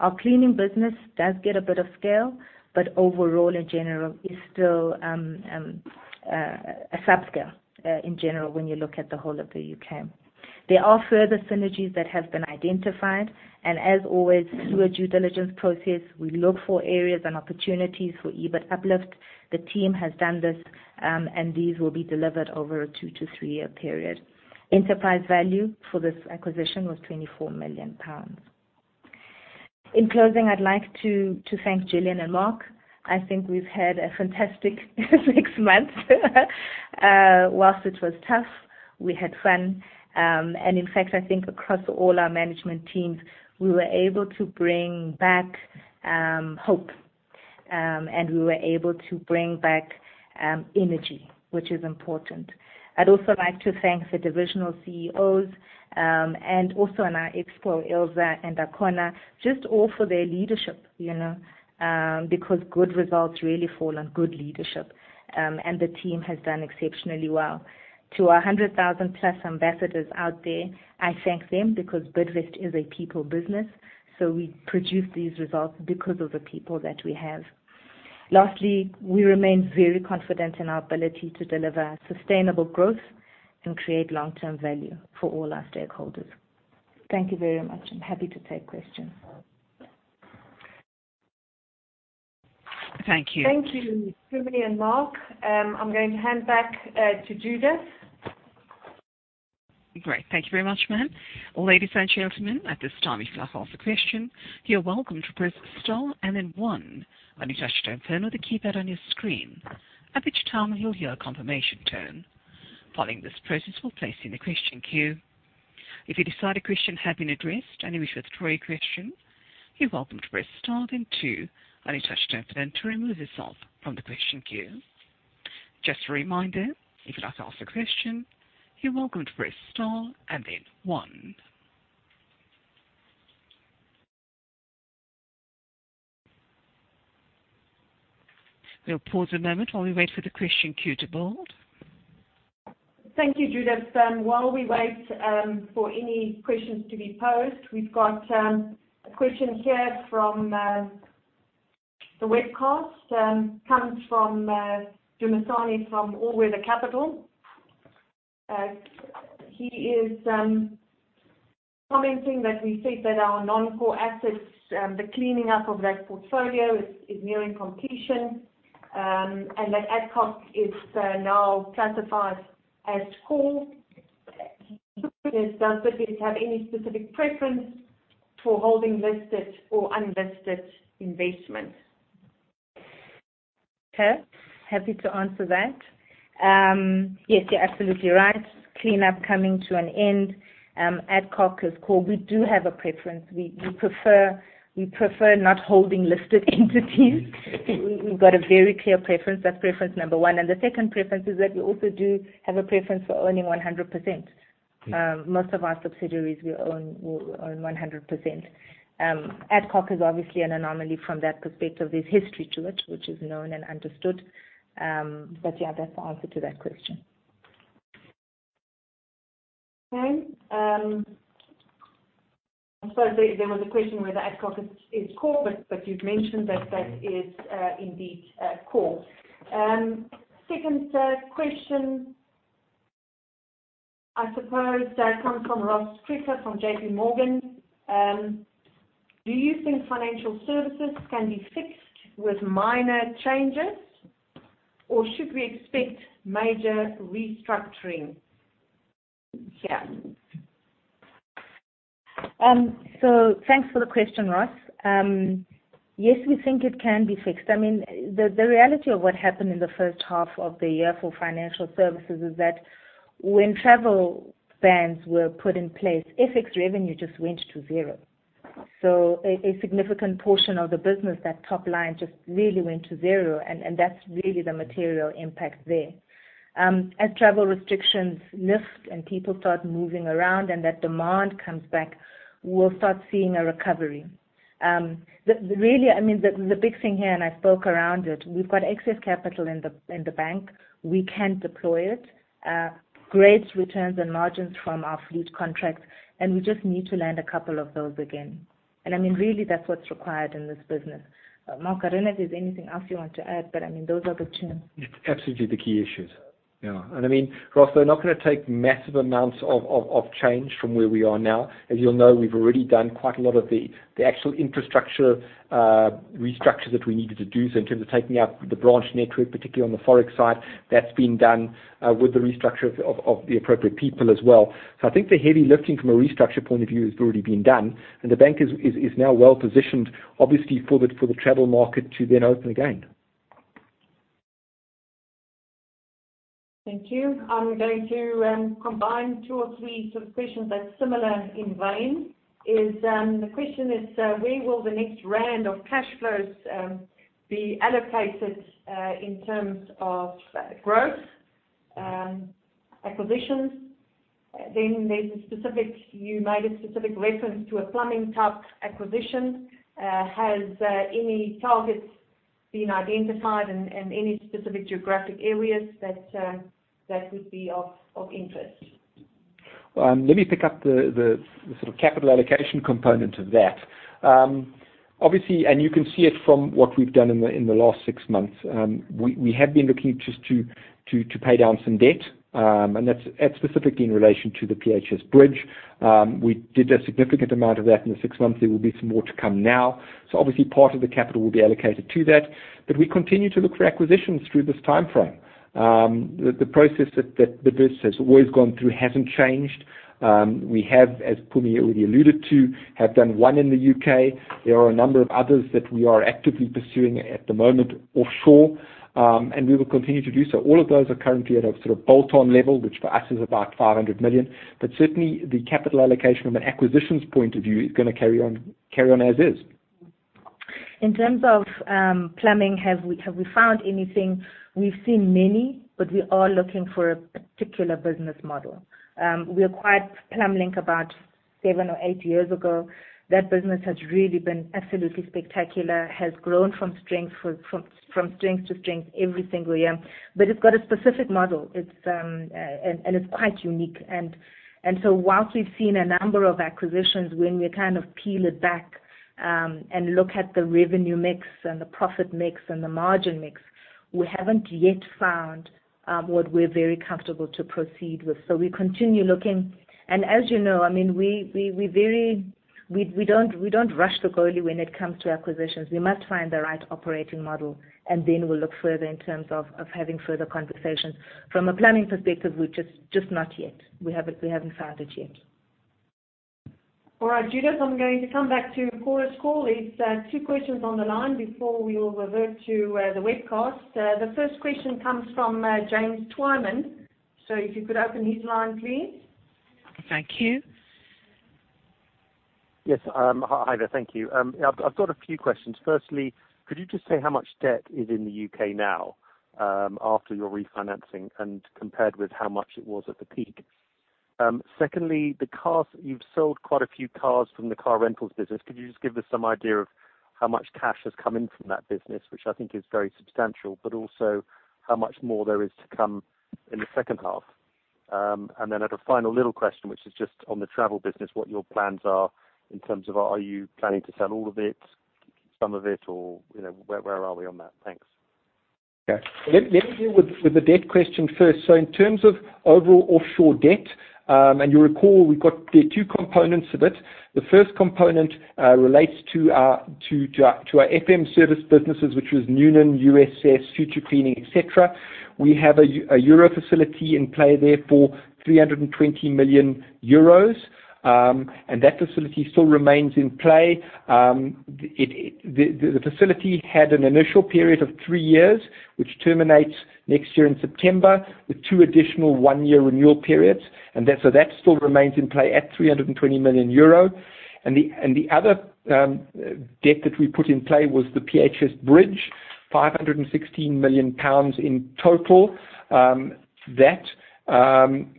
Our cleaning business does get a bit of scale, but overall, in general, is still a subscale, in general, when you look at the whole of the U.K. There are further synergies that have been identified and as always, through a due diligence process, we look for areas and opportunities for EBIT uplift. The team has done this, and these will be delivered over a two to three-year period. Enterprise value for this acquisition was 24 million pounds. In closing, I'd like to thank Gillian and Mark. I think we've had a fantastic six months. Whilst it was tough, we had fun. In fact, I think across all our management teams, we were able to bring back hope, and we were able to bring back energy, which is important. I'd also like to thank the divisional CEOs, and also in our expo, Ilse and Akona, just all for their leadership. Because good results really fall on good leadership. The team has done exceptionally well. To our 100,000 plus ambassadors out there, I thank them because Bidvest is a people business. We produce these results because of the people that we have. Lastly, we remain very confident in our ability to deliver sustainable growth and create long-term value for all our stakeholders. Thank you very much. I'm happy to take questions. Thank you. Thank you, Mpumi and Mark. I'm going to hand back to Judith. Great. Thank you very much, ma'am. Ladies and gentlemen, at this time, if you'd like to ask a question, you're welcome to press star and then one on your touchtone phone or the keypad on your screen, at which time you'll hear a confirmation tone. Following this process will place you in the question queue. If you decide a question has been addressed and you wish to withdraw your question, you're welcome to press star then two on your touchtone phone to remove yourself from the question queue. Just a reminder, if you'd like to ask a question, you're welcome to press star and then one. We'll pause a moment while we wait for the question queue to build. Thank you, Judith. While we wait for any questions to be posed, we've got a question here from the webcast. Comes from Dumisani from Allweather Capital. He is commenting that we said that our non-core assets, the cleaning up of that portfolio, is nearing completion, and that Adcock is now classified as core. Does Bidvest have any specific preference for holding listed or unlisted investments? Okay, happy to answer that. Yes, you're absolutely right. Cleanup coming to an end. Adcock is core. We do have a preference. We prefer not holding listed entities. We've got a very clear preference. That's preference number one. The second preference is that we also do have a preference for owning 100%. Most of our subsidiaries we own 100%. Adcock is obviously an anomaly from that perspective. There's history to it, which is known and understood. Yeah, that's the answer to that question. Okay. I suppose there was a question whether Adcock is core, but you've mentioned that is indeed core. Second question, I suppose, that comes from Ross Cridda from JP Morgan. Do you think financial services can be fixed with minor changes, or should we expect major restructuring here? Thanks for the question, Ross. Yes, we think it can be fixed. The reality of what happened in the first half of the year for financial services is that when travel bans were put in place, FX revenue just went to zero. A significant portion of the business, that top line just really went to zero, and that is really the material impact there. As travel restrictions lift and people start moving around and that demand comes back, we will start seeing a recovery. Really, the big thing here, and I spoke around it, we have got excess capital in the bank. We can deploy it. Great returns and margins from our fleet contracts, and we just need to land a couple of those again. Really, that is what is required in this business. Mark, I do not know if there is anything else you want to add, but those are the two. It's absolutely the key issues. Yeah. Ross, they're not going to take massive amounts of change from where we are now. As you'll know, we've already done quite a lot of the actual infrastructure restructure that we needed to do. In terms of taking out the branch network, particularly on the Forex side, that's been done with the restructure of the appropriate people as well. I think the heavy lifting from a restructure point of view has already been done, and the Bank is now well-positioned, obviously, for the travel market to then open again. Thank you. I'm going to combine two or three sort of questions that's similar in vein. The question is, where will the next round of cash flows be allocated, in terms of growth, acquisitions? You made a specific reference to a plumbing type acquisition. Has any targets been identified and any specific geographic areas that would be of interest? Let me pick up the sort of capital allocation component of that. Obviously, and you can see it from what we've done in the last six months, we have been looking just to pay down some debt, and that's specifically in relation to the PHS bridge. We did a significant amount of that in the six months. There will be some more to come now. Obviously part of the capital will be allocated to that. We continue to look for acquisitions through this timeframe. The process that the business has always gone through hasn't changed. We have, as Mpumi already alluded to, have done one in the U.K. There are a number of others that we are actively pursuing at the moment offshore. We will continue to do so. All of those are currently at a sort of bolt-on level, which for us is about 500 million. Certainly, the capital allocation from an acquisitions point of view is gonna carry on as is. In terms of plumbing, have we found anything? We've seen many, but we are looking for a particular business model. We acquired Plumblink about seven or eight years ago. That business has really been absolutely spectacular, has grown from strength to strength every single year. It's got a specific model, and it's quite unique. Whilst we've seen a number of acquisitions, when we kind of peel it back and look at the revenue mix and the profit mix and the margin mix, we haven't yet found what we're very comfortable to proceed with. We continue looking. As you know, we don't rush the goalie when it comes to acquisitions. We must find the right operating model, and then we'll look further in terms of having further conversations. From a plumbing perspective, we're just not yet. We haven't found it yet. All right, Judith, I'm going to come back to call as call. There's two questions on the line before we will revert to the webcast. The first question comes from James Twyman. If you could open his line, please. Thank you. Yes. Hi there. Thank you. I've got a few questions. Firstly, could you just say how much debt is in the U.K. now, after your refinancing and compared with how much it was at the peak? Secondly, the cars. You've sold quite a few cars from the car rentals business. Could you just give us some idea of how much cash has come in from that business, which I think is very substantial, but also how much more there is to come in the second half? I had a final little question, which is just on the travel business, what your plans are in terms of are you planning to sell all of it, some of it, or where are we on that? Thanks. Yeah. Let me deal with the debt question first. In terms of overall offshore debt, and you recall, we've got the two components of it. The first component relates to our FM service businesses, which was Noonan, UDS, Future Cleaning, et cetera. We have a euro facility in play there for €320 million. That facility still remains in play. The facility had an initial period of three years, which terminates next year in September, with two additional one-year renewal periods. That still remains in play at €320 million. The other debt that we put in play was the PHS bridge, £516 million in total. That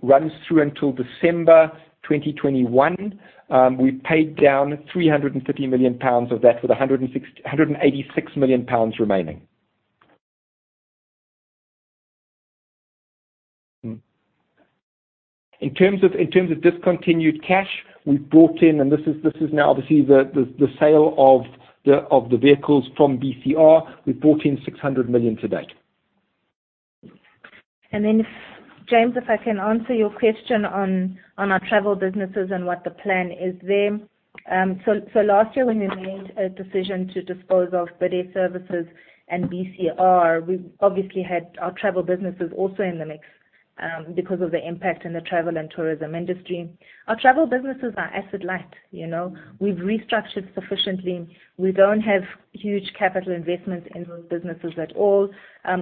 runs through until December 2021. We paid down £350 million of that, with £186 million remaining. In terms of discontinued cash, we brought in, and this is now obviously the sale of the vehicles from BCR. We've brought in 600 million to date. James, if I can answer your question on our travel businesses and what the plan is there. Last year, when we made a decision to dispose of Bidvest Services and BCR, we obviously had our travel businesses also in the mix. Because of the impact in the travel and tourism industry. Our travel businesses are asset-light. We've restructured sufficiently. We don't have huge capital investments in those businesses at all.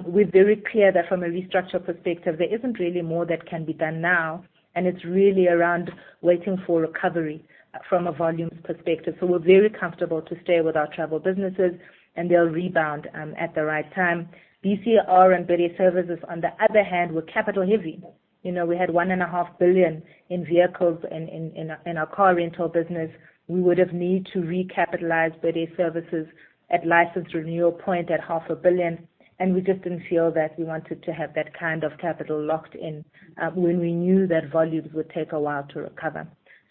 We're very clear that from a restructure perspective, there isn't really more that can be done now, and it's really around waiting for recovery from a volumes perspective. We're very comfortable to stay with our travel businesses, and they'll rebound at the right time. BCR and Bidvest Services, on the other hand, were capital heavy. We had one and a half billion in vehicles in our car rental business. We would've needed to recapitalize Bidvest Services at license renewal point at ZAR half a billion, and we just didn't feel that we wanted to have that kind of capital locked in when we knew that volumes would take a while to recover.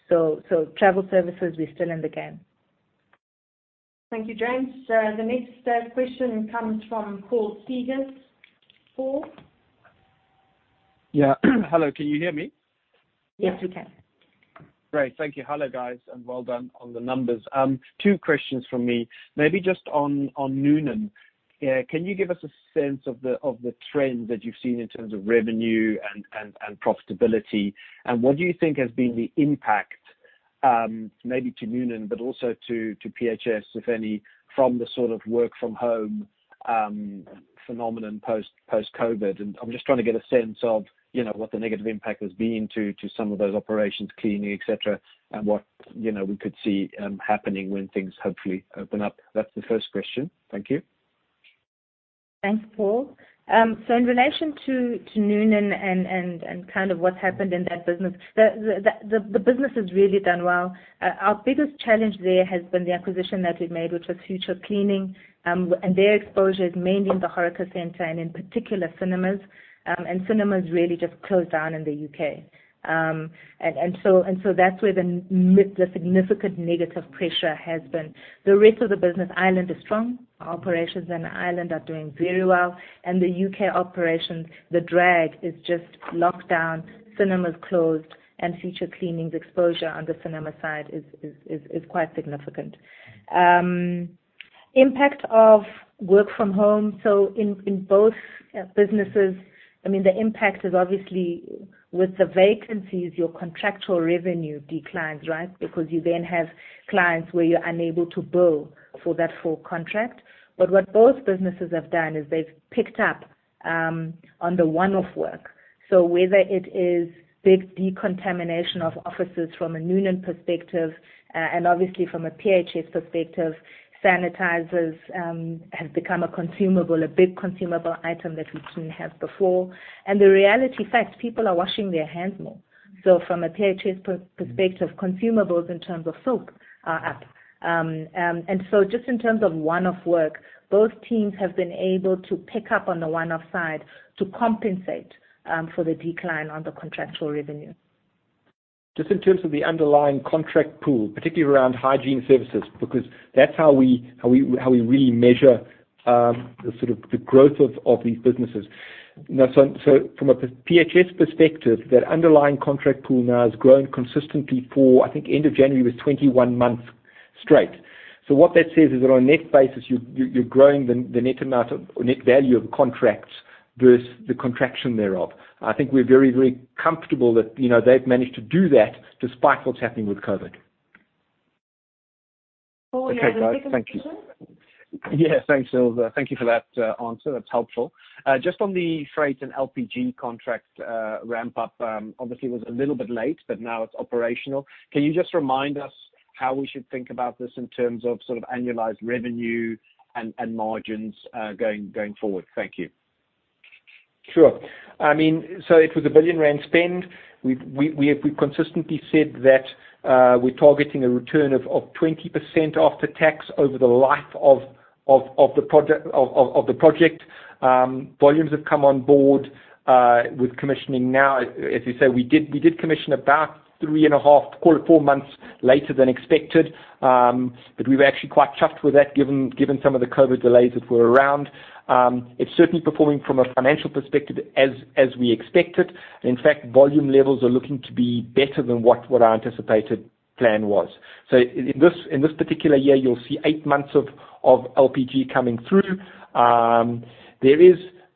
Travel services, we're still in the game. Thank you, James. The next question comes from Paul Segars. Paul? Yeah. Hello, can you hear me? Yes, we can. Great. Thank you. Hello, guys, and well done on the numbers. Two questions from me. Maybe just on Noonan. Can you give us a sense of the trend that you've seen in terms of revenue and profitability, and what do you think has been the impact, maybe to Noonan, but also to PHS, if any, from the work-from-home phenomenon post-COVID? I'm just trying to get a sense of what the negative impact has been to some of those operations, cleaning, et cetera, and what we could see happening when things hopefully open up. That's the first question. Thank you. Thanks, Paul. In relation to Noonan and what happened in that business, the business has really done well. Our biggest challenge there has been the acquisition that we made, which was Future Cleaning. Their exposure is mainly in the HORECA center and in particular, cinemas. Cinemas really just closed down in the U.K. That's where the significant negative pressure has been. The rest of the business, Ireland is strong. Our operations in Ireland are doing very well. The U.K. operations, the drag is just lockdown, cinemas closed, and Future Cleaning's exposure on the cinema side is quite significant. Impact of work from home. In both businesses, the impact is obviously with the vacancies, your contractual revenue declines, right? Because you then have clients where you're unable to bill for that full contract. What both businesses have done is they've picked up on the one-off work. Whether it is big decontamination of offices from a Noonan perspective and obviously from a PHS perspective, sanitizers have become a big consumable item that we didn't have before. The reality fact, people are washing their hands more. From a PHS perspective, consumables in terms of soap are up. Just in terms of one-off work, both teams have been able to pick up on the one-off side to compensate for the decline on the contractual revenue. Just in terms of the underlying contract pool, particularly around hygiene services, because that's how we really measure the growth of these businesses. From a PHS perspective, that underlying contract pool now has grown consistently for, I think end of January was 21 months straight. What that says is that on a net basis, you're growing the net amount of, or net value of contracts versus the contraction thereof. I think we're very, very comfortable that they've managed to do that despite what's happening with COVID. Paul, you had a second question? Okay, guys. Thank you. Yeah, thanks, Ilse. Thank you for that answer. That's helpful. Just on the freight and LPG contract ramp-up, obviously was a little bit late, but now it's operational. Can you just remind us how we should think about this in terms of annualized revenue and margins going forward? Thank you. Sure. It was a 1 billion rand spend. We've consistently said that we're targeting a return of 20% after tax over the life of the project. Volumes have come on board with commissioning now. As you say, we did commission about three and a half, call it four months later than expected. We were actually quite chuffed with that given some of the COVID-19 delays that were around. It's certainly performing from a financial perspective as we expected. In fact, volume levels are looking to be better than what our anticipated plan was. In this particular year, you'll see eight months of LPG coming through.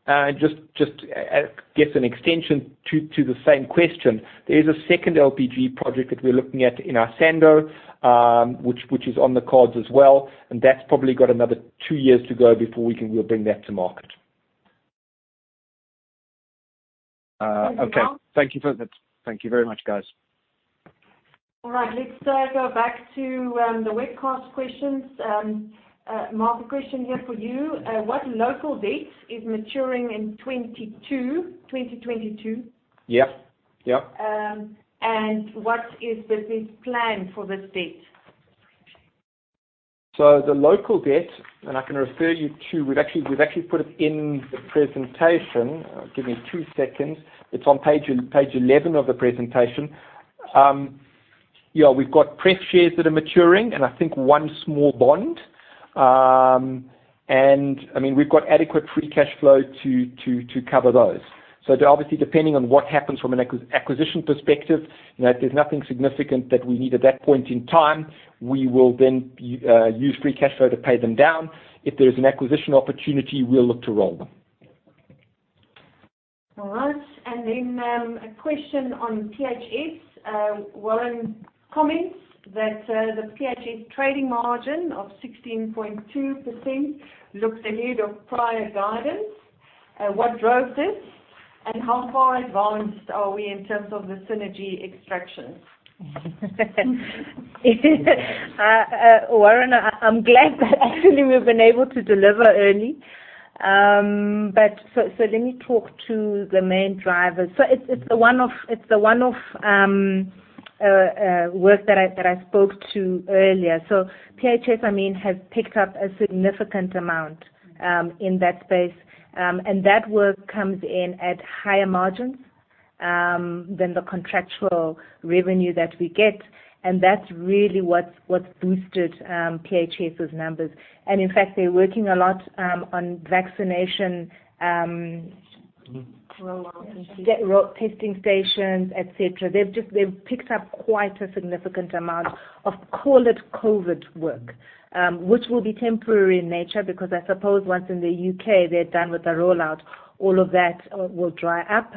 I guess an extension to the same question, there is a second LPG project that we're looking at in Isando, which is on the cards as well, and that's probably got another two years to go before we can bring that to market. Thank you, Mark. Okay. Thank you for that. Thank you very much, guys. All right. Let's go back to the webcast questions. Mark, a question here for you. What local debt is maturing in 2022? Yep. What is the business plan for this debt? The local debt, and I can refer you to, we've actually put it in the presentation. Give me two seconds. It's on page 11 of the presentation. We've got pref shares that are maturing, and I think one small bond. We've got adequate free cash flow to cover those. Obviously, depending on what happens from an acquisition perspective, there's nothing significant that we need at that point in time. We will use free cash flow to pay them down. If there's an acquisition opportunity, we'll look to roll them. All right. A question on PHS. Warren comments that the PHS trading margin of 16.2% looks ahead of prior guidance. What drove this, how far advanced are we in terms of the synergy extractions? Warren, I'm glad that actually we've been able to deliver early. Let me talk to the main drivers. It's the one-off work that I spoke to earlier. PHS, I mean, has picked up a significant amount in that space. That work comes in at higher margins than the contractual revenue that we get, and that's really what's boosted PHS's numbers. In fact, they're working a lot on vaccination. Rollout and yes. testing stations, et cetera. They've picked up quite a significant amount of, call it COVID work, which will be temporary in nature because I suppose once in the U.K. they're done with the rollout, all of that will dry up.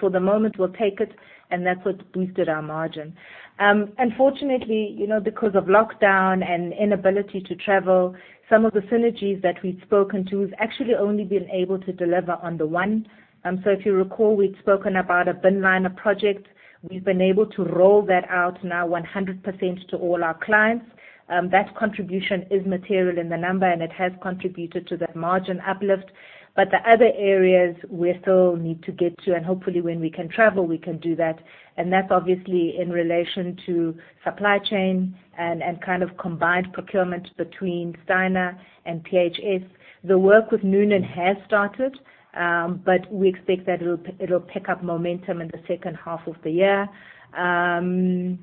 For the moment, we'll take it, and that's what's boosted our margin. Unfortunately, because of lockdown and inability to travel, some of the synergies that we'd spoken to, we've actually only been able to deliver on the one. If you recall, we'd spoken about a bin liner project. We've been able to roll that out now 100% to all our clients. That contribution is material in the number, and it has contributed to that margin uplift. The other areas we still need to get to, and hopefully when we can travel, we can do that, and that's obviously in relation to supply chain and kind of combined procurement between Syna and PHS. The work with Noonan has started, but we expect that it'll pick up momentum in the second half of the year. The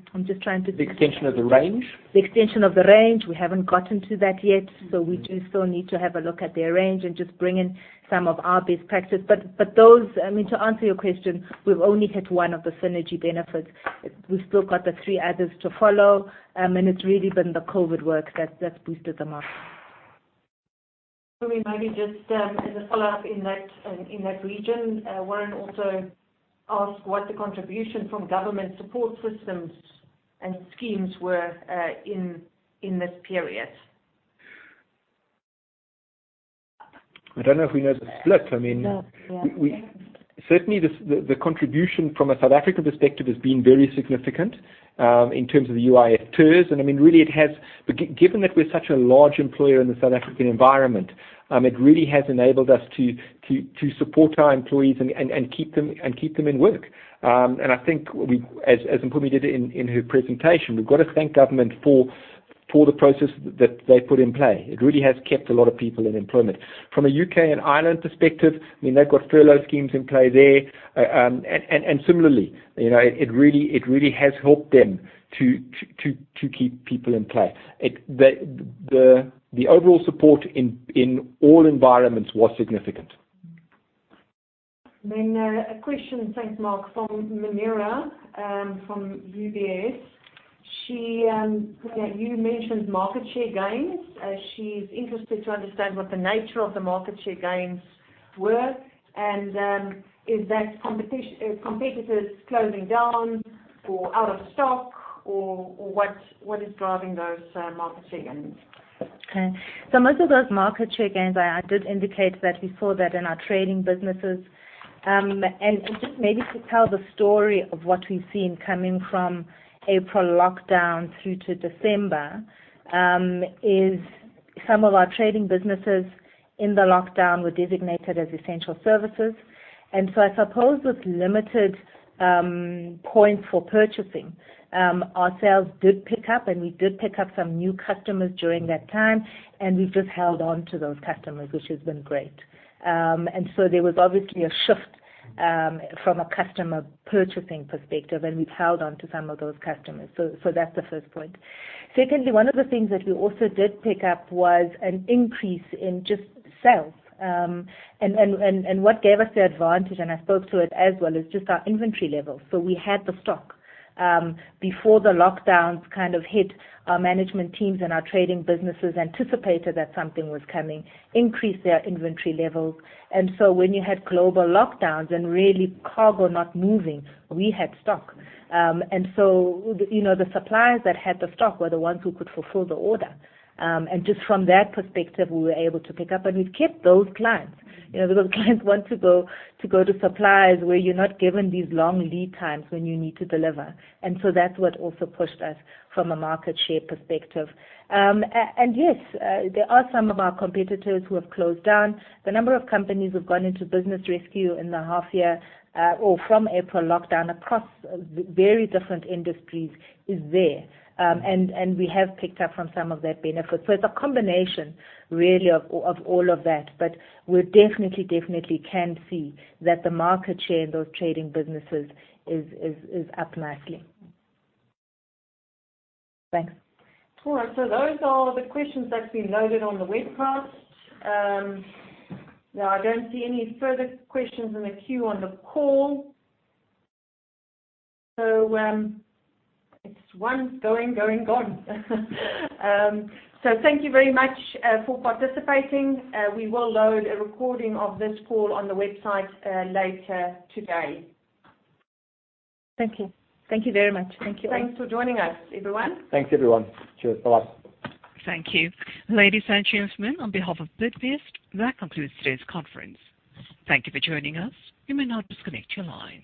extension of the range? The extension of the range, we haven't gotten to that yet. We do still need to have a look at their range and just bring in some of our best practice. Those, I mean, to answer your question, we've only hit one of the synergy benefits. We've still got the three others to follow, and it's really been the COVID work that's boosted them up. We maybe just, as a follow-up in that region, Warren also asked what the contribution from government support systems and schemes were in this period. I don't know if we know the split. I mean. No. Yeah Certainly, the contribution from a South African perspective has been very significant, in terms of the UIF TERS. I mean, really Given that we're such a large employer in the South African environment, it really has enabled us to support our employees and keep them in work. I think, as Mpumi did in her presentation, we've got to thank government for the process that they put in play. It really has kept a lot of people in employment. From a U.K. and Ireland perspective, I mean, they've got furlough schemes in play there. Similarly, it really has helped them to keep people in play. The overall support in all environments was significant. A question, thanks Mark, from Munira, from UBS. You mentioned market share gains. She's interested to understand what the nature of the market share gains were, is that competitors closing down or out of stock, or what is driving those market share gains? Okay. Most of those market share gains, I did indicate that we saw that in our trading businesses. Just maybe to tell the story of what we've seen coming from April lockdown through to December, is some of our trading businesses in the lockdown were designated as essential services. I suppose with limited points for purchasing, our sales did pick up, and we did pick up some new customers during that time, and we've just held on to those customers, which has been great. There was obviously a shift from a customer purchasing perspective, and we've held on to some of those customers. That's the first point. Secondly, one of the things that we also did pick up was an increase in just sales. What gave us the advantage, and I spoke to it as well, is just our inventory levels. We had the stock. Before the lockdowns kind of hit, our management teams and our trading businesses anticipated that something was coming, increased their inventory levels. When you had global lockdowns and really cargo not moving, we had stock. The suppliers that had the stock were the ones who could fulfill the order. Just from that perspective, we were able to pick up, and we've kept those clients. Because clients want to go to suppliers where you're not given these long lead times when you need to deliver. That's what also pushed us from a market share perspective. Yes, there are some of our competitors who have closed down. The number of companies who've gone into business rescue in the half year, or from April lockdown across very different industries is there. We have picked up from some of that benefit. It's a combination, really, of all of that. We definitely can see that the market share in those trading businesses is up nicely. Thanks. All right. Those are the questions that's been loaded on the webcast. No, I don't see any further questions in the queue on the call. It's one going, gone. Thank you very much for participating. We will load a recording of this call on the website later today. Thank you. Thank you very much. Thank you all. Thanks for joining us, everyone. Thanks, everyone. Cheers. Bye-bye. Thank you. Ladies and gentlemen, on behalf of Bidvest, that concludes today's conference. Thank you for joining us. You may now disconnect your line.